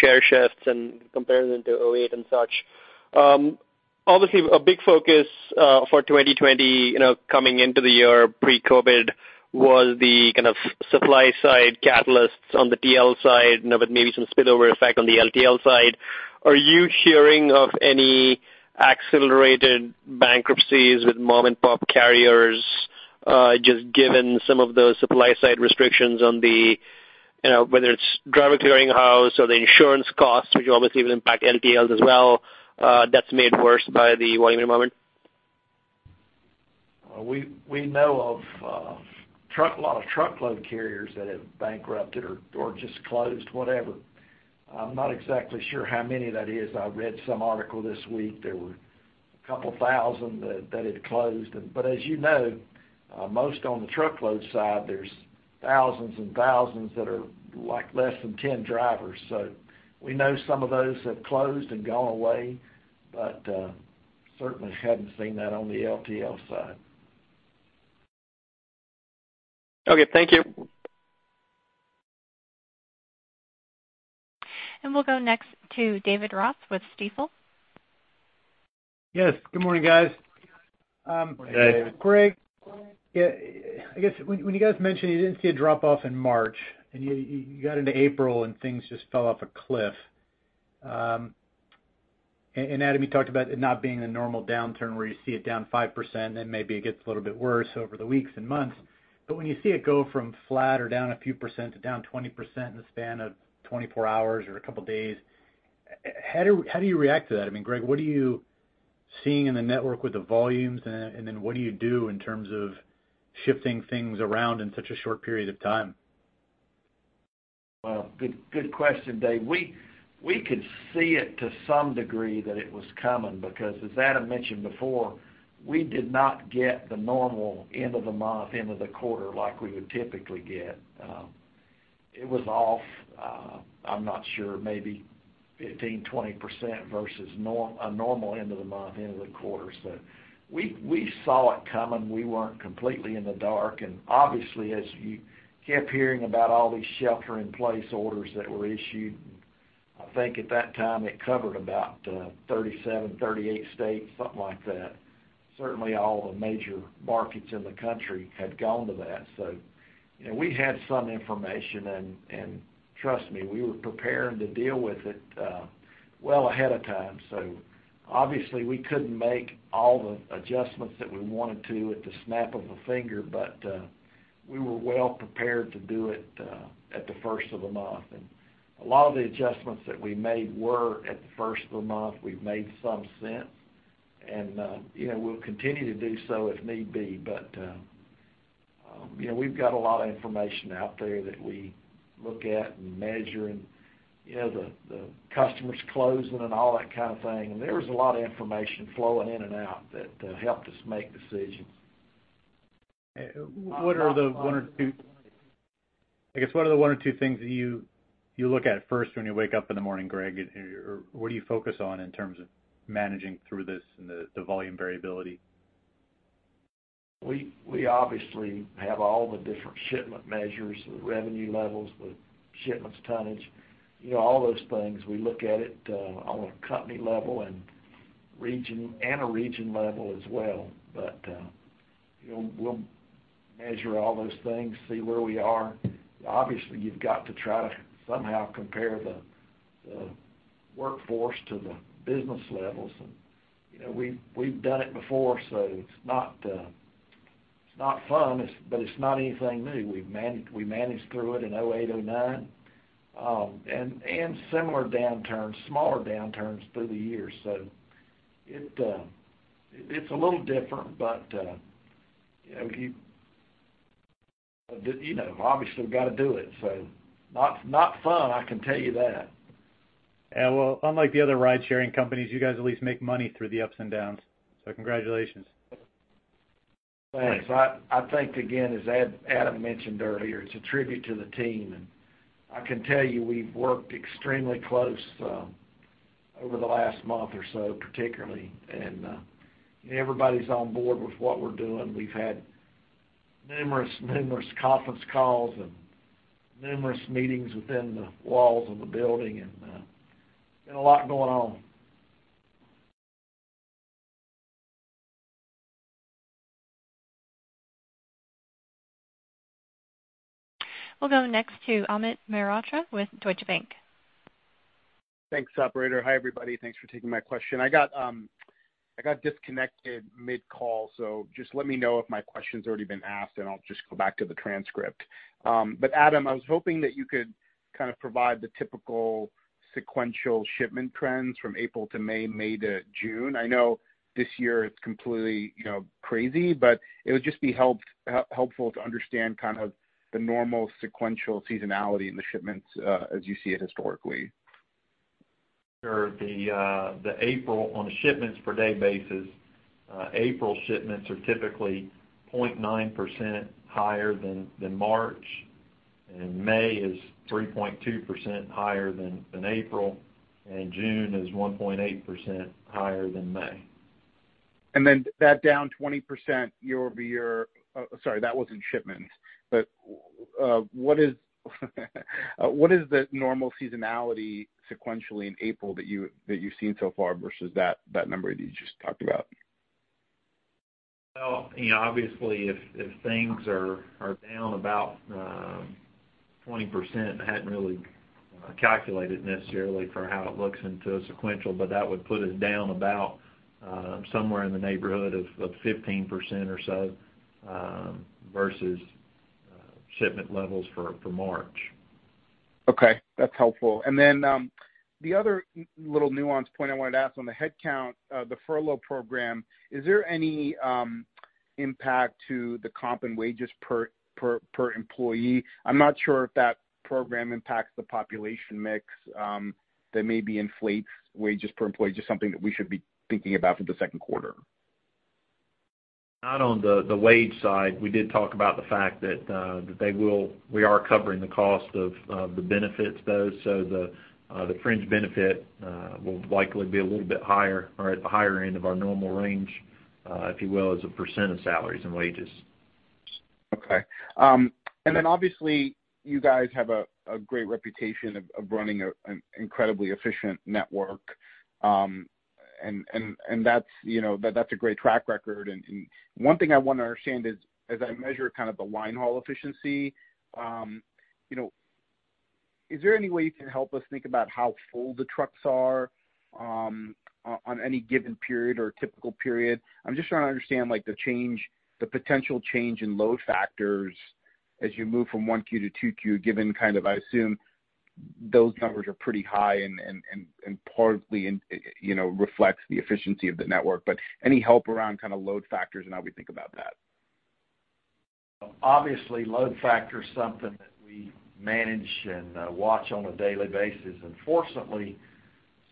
[SPEAKER 10] share shifts and comparing them to 2008 and such. Obviously, a big focus for 2020, coming into the year pre-COVID-19, was the kind of supply side catalysts on the TL side, but maybe some spillover effect on the LTL side. Are you hearing of any accelerated bankruptcies with mom-and-pop carriers, just given some of the supply side restrictions on the, whether it's driver clearing house or the insurance costs, which obviously will impact LTLs as well, that's made worse by the volume at the moment?
[SPEAKER 3] We know of a lot of truckload carriers that have bankrupted or just closed, whatever. I'm not exactly sure how many that is. I read some article this week, there were a couple thousand that had closed. As you know, most on the truckload side, there's thousands and thousands that are less than 10 drivers. We know some of those have closed and gone away, but certainly haven't seen that on the LTL side.
[SPEAKER 10] Okay. Thank you.
[SPEAKER 1] We'll go next to David Ross with Stifel.
[SPEAKER 11] Yes, good morning, guys.
[SPEAKER 3] Morning, David.
[SPEAKER 11] Greg, I guess when you guys mentioned you didn't see a drop-off in March, and you got into April and things just fell off a cliff. Adam, you talked about it not being the normal downturn where you see it down 5%, then maybe it gets a little bit worse over the weeks and months. When you see it go from flat or down a few percent to down 20% in the span of 24 hours or a couple of days, how do you react to that? Greg, what are you seeing in the network with the volumes, and then what do you do in terms of shifting things around in such a short period of time?
[SPEAKER 2] Well, good question, David. We could see it to some degree that it was coming because as Adam mentioned before, we did not get the normal end of the month, end of the quarter like we would typically get. It was off, I'm not sure, maybe 15%-20% versus a normal end of the month, end of the quarter. We saw it coming. We weren't completely in the dark. Obviously, as you kept hearing about all these shelter-in-place orders that were issued, I think at that time, it covered about 37, 38 states, something like that. Certainly, all the major markets in the country had gone to that. We had some information, and trust me, we were preparing to deal with it well ahead of time.
[SPEAKER 3] Obviously, we couldn't make all the adjustments that we wanted to at the snap of a finger, but we were well prepared to do it at the first of the month. A lot of the adjustments that we made were at the first of the month. We've made some since. We'll continue to do so if need be. We've got a lot of information out there that we look at and measure and the customers closing and all that kind of thing. There was a lot of information flowing in and out that helped us make decisions.
[SPEAKER 11] I guess, what are the one or two things that you look at first when you wake up in the morning, Greg? What do you focus on in terms of managing through this and the volume variability?
[SPEAKER 2] We obviously have all the different shipment measures, the revenue levels, the shipments tonnage, all those things. We look at it on a company level and a region level as well. We'll measure all those things, see where we are. Obviously, you've got to try to somehow compare the workforce to the business levels. We've done it before, so it's not fun, but it's not anything new. We managed through it in 2008, 2009, and similar downturns, smaller downturns through the years. It's a little different, but obviously, we've got to do it. Not fun, I can tell you that.
[SPEAKER 3] Yeah. Well, unlike the other ride-sharing companies, you guys at least make money through the ups and downs. Congratulations.
[SPEAKER 2] Thanks. I think, again, as Adam mentioned earlier, it's a tribute to the team, and I can tell you we've worked extremely close over the last month or so, particularly. Everybody's on board with what we're doing. We've had numerous conference calls and numerous meetings within the walls of the building, and been a lot going on.
[SPEAKER 1] We'll go next to Amit Mehrotra with Deutsche Bank.
[SPEAKER 12] Thanks, operator. Hi, everybody. Thanks for taking my question. I got disconnected mid-call, so just let me know if my question's already been asked, and I'll just go back to the transcript. Adam, I was hoping that you could provide the typical sequential shipment trends from April to May to June. I know this year it's completely crazy, but it would just be helpful to understand the normal sequential seasonality in the shipments as you see it historically.
[SPEAKER 3] Sure. On a shipments per day basis, April shipments are typically 0.9% higher than March, and May is 3.2% higher than April, and June is 1.8% higher than May.
[SPEAKER 12] That down 20% year-over-year. Oh, sorry, that was in shipments. What is the normal seasonality sequentially in April that you've seen so far versus that number that you just talked about?
[SPEAKER 3] Obviously, if things are down about 20%, I hadn't really calculated necessarily for how it looks into a sequential, but that would put us down about somewhere in the neighborhood of 15% or so versus shipment levels for March.
[SPEAKER 12] Okay. That's helpful. The other little nuance point I wanted to ask on the headcount, the furlough program, is there any impact to the comp and wages per employee? I'm not sure if that program impacts the population mix that maybe inflates wages per employee. Just something that we should be thinking about for the second quarter.
[SPEAKER 3] Not on the wage side. We did talk about the fact that we are covering the cost of the benefits, though. The fringe benefit will likely be a little bit higher or at the higher end of our normal range, if you will, as a percentage of salaries and wages.
[SPEAKER 12] Okay. Obviously, you guys have a great reputation of running an incredibly efficient network. That's a great track record. One thing I want to understand is as I measure the line haul efficiency, is there any way you can help us think about how full the trucks are on any given period or typical period? I'm just trying to understand the potential change in load factors as you move from Q1 to Q2, given I assume those numbers are pretty high and partly reflects the efficiency of the network. Any help around load factors and how we think about that?
[SPEAKER 2] Obviously, load factor is something that we manage and watch on a daily basis. Fortunately,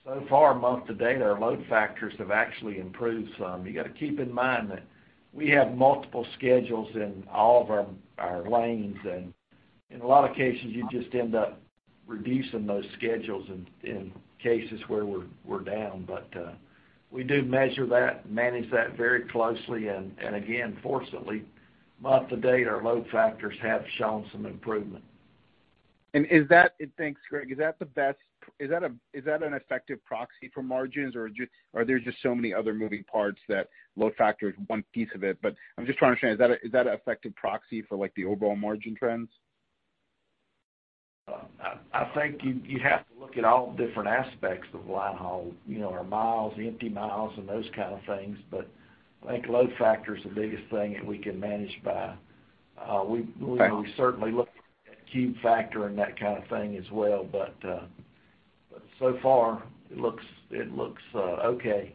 [SPEAKER 2] so far, month to date, our load factors have actually improved some. You got to keep in mind that we have multiple schedules in all of our lanes, and in a lot of cases, you just end up reducing those schedules in cases where we're down. We do measure that, manage that very closely, and again, fortunately, month to date, our load factors have shown some improvement.
[SPEAKER 12] Thanks, Greg. Is that an effective proxy for margins, or are there just so many other moving parts that load factor is one piece of it? I'm just trying to understand, is that an effective proxy for the overall margin trends?
[SPEAKER 2] I think you have to look at all different aspects of line haul, our miles, empty miles, and those kind of things. I think load factor is the biggest thing that we can manage by.
[SPEAKER 12] Okay.
[SPEAKER 2] We certainly look at cube factor and that kind of thing as well. So far, it looks okay.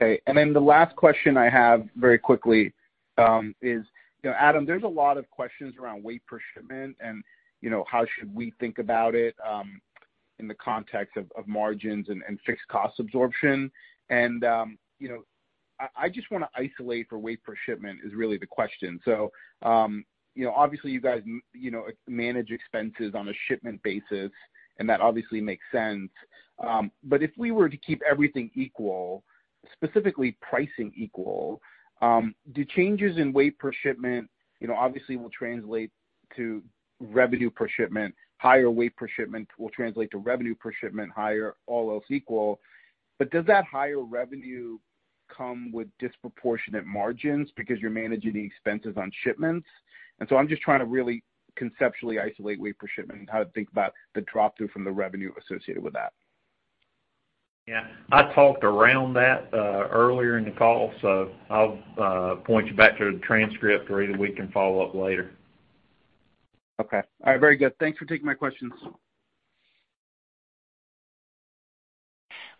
[SPEAKER 12] Okay. Then the last question I have very quickly is, Adam, there's a lot of questions around weight per shipment, and how should we think about it in the context of margins and fixed cost absorption. I just want to isolate for weight per shipment is really the question. Obviously you guys manage expenses on a shipment basis, and that obviously makes sense. If we were to keep everything equal, specifically pricing equal. Do changes in weight per shipment, obviously will translate to revenue per shipment. Higher weight per shipment will translate to revenue per shipment higher, all else equal. Does that higher revenue come with disproportionate margins because you're managing the expenses on shipments? I'm just trying to really conceptually isolate weight per shipment and how to think about the drop-through from the revenue associated with that.
[SPEAKER 3] Yeah. I talked around that earlier in the call, so I'll point you back to the transcript, or either we can follow up later.
[SPEAKER 12] Okay. All right, very good. Thanks for taking my questions.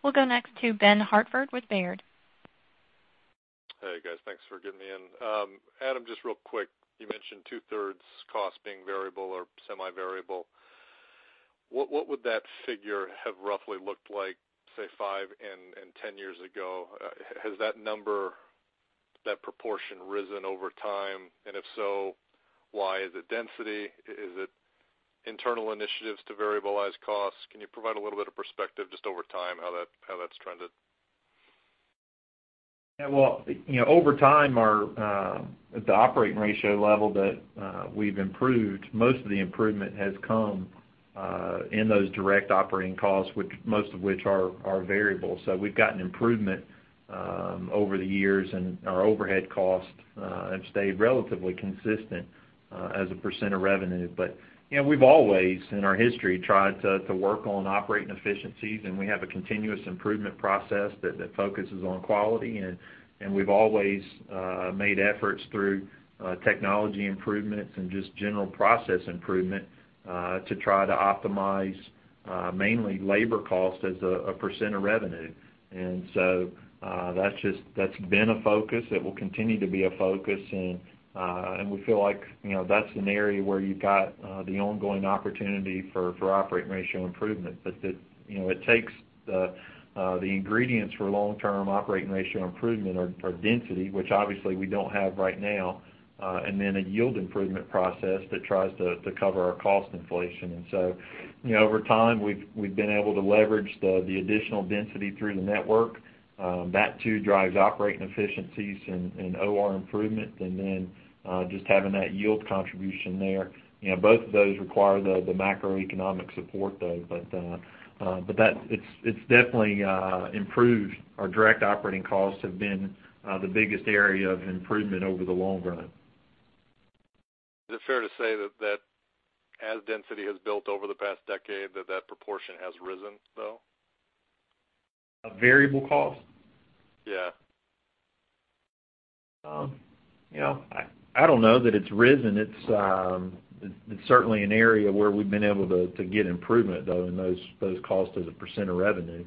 [SPEAKER 1] We'll go next to Ben Hartford with Baird.
[SPEAKER 13] Hey, guys. Thanks for getting me in. Adam, just real quick, you mentioned two-thirds cost being variable or semi-variable. What would that figure have roughly looked like, say, five and 10 years ago? Has that number, that proportion, risen over time? If so, why? Is it density? Is it internal initiatives to variabilize costs? Can you provide a little bit of perspective just over time how that's trended?
[SPEAKER 3] Yeah, well, over time, at the operating ratio level that we've improved, most of the improvement has come in those direct operating costs, which most of which are variable. We've gotten improvement over the years, and our overhead costs have stayed relatively consistent as a percentage of revenue. We've always, in our history, tried to work on operating efficiencies, and we have a continuous improvement process that focuses on quality, and we've always made efforts through technology improvements and just general process improvement to try to optimize mainly labor cost as a percentage of revenue. That's been a focus. It will continue to be a focus, and we feel like that's an area where you've got the ongoing opportunity for operating ratio improvement. It takes the ingredients for long-term Operating ratio improvement are density, which obviously we don't have right now, and then a yield improvement process that tries to cover our cost inflation. Over time, we've been able to leverage the additional density through the network. That, too, drives operating efficiencies and OR improvement, and then just having that yield contribution there. Both of those require the macroeconomic support, though. It's definitely improved. Our direct operating costs have been the biggest area of improvement over the long run.
[SPEAKER 13] Is it fair to say that as density has built over the past decade, that that proportion has risen, though?
[SPEAKER 3] Variable cost?
[SPEAKER 13] Yeah.
[SPEAKER 3] I don't know that it's risen. It's certainly an area where we've been able to get improvement, though, in those costs as a percent of revenue.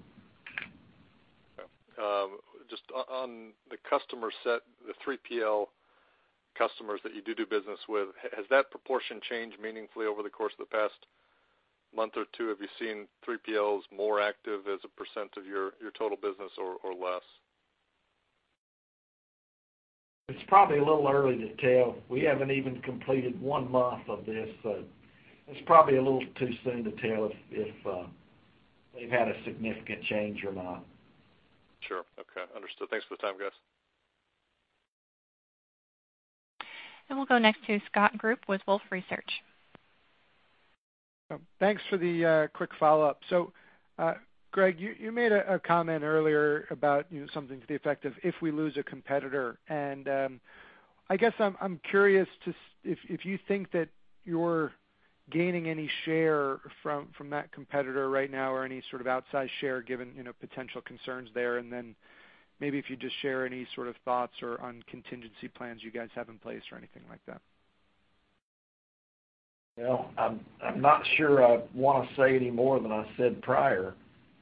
[SPEAKER 13] Just on the customer set, the 3PL customers that you do business with, has that proportion changed meaningfully over the course of the past month or two? Have you seen 3PLs more active as a percent of your total business or less?
[SPEAKER 3] It's probably a little early to tell. We haven't even completed one month of this, so it's probably a little too soon to tell if they've had a significant change or not.
[SPEAKER 13] Sure. Okay. Understood. Thanks for the time, guys.
[SPEAKER 1] We'll go next to Scott Group with Wolfe Research.
[SPEAKER 7] Thanks for the quick follow-up. Greg, you made a comment earlier about something to the effect of if we lose a competitor. I guess I'm curious if you think that you're gaining any share from that competitor right now or any sort of outside share given potential concerns there. Maybe if you'd just share any sort of thoughts or on contingency plans you guys have in place or anything like that.
[SPEAKER 2] Well, I'm not sure I want to say any more than I said prior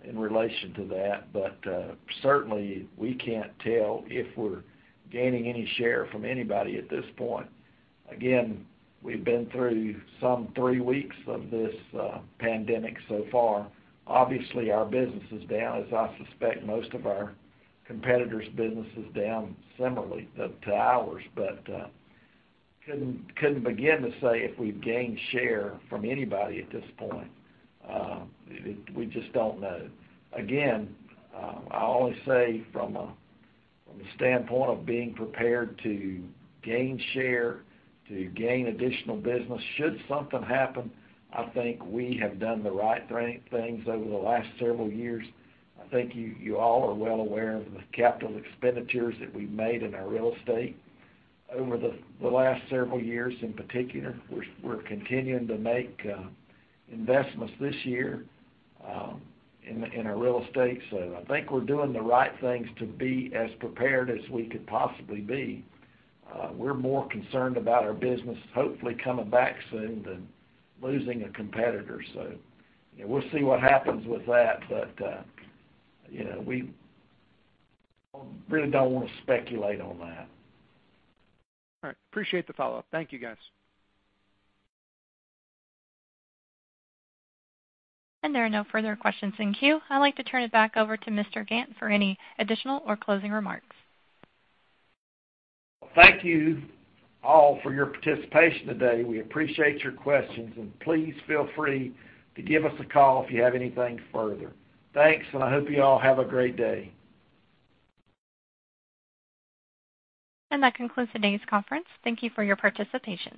[SPEAKER 2] in relation to that. Certainly, we can't tell if we're gaining any share from anybody at this point. Again, we've been through some three weeks of this pandemic so far. Obviously, our business is down, as I suspect most of our competitors' business is down similarly to ours. Couldn't begin to say if we've gained share from anybody at this point. We just don't know. Again, I'll only say from a standpoint of being prepared to gain share, to gain additional business should something happen, I think we have done the right things over the last several years. I think you all are well aware of the capital expenditures that we've made in our real estate over the last several years in particular. We're continuing to make investments this year in our real estate.
[SPEAKER 3] I think we're doing the right things to be as prepared as we could possibly be. We're more concerned about our business hopefully coming back soon than losing a competitor. We'll see what happens with that, but we really don't want to speculate on that.
[SPEAKER 7] All right. Appreciate the follow-up. Thank you, guys.
[SPEAKER 1] There are no further questions in queue. I'd like to turn it back over to Mr. Gantt for any additional or closing remarks.
[SPEAKER 2] Well, thank you all for your participation today. We appreciate your questions. Please feel free to give us a call if you have anything further. Thanks. I hope you all have a great day.
[SPEAKER 1] That concludes today's conference. Thank you for your participation.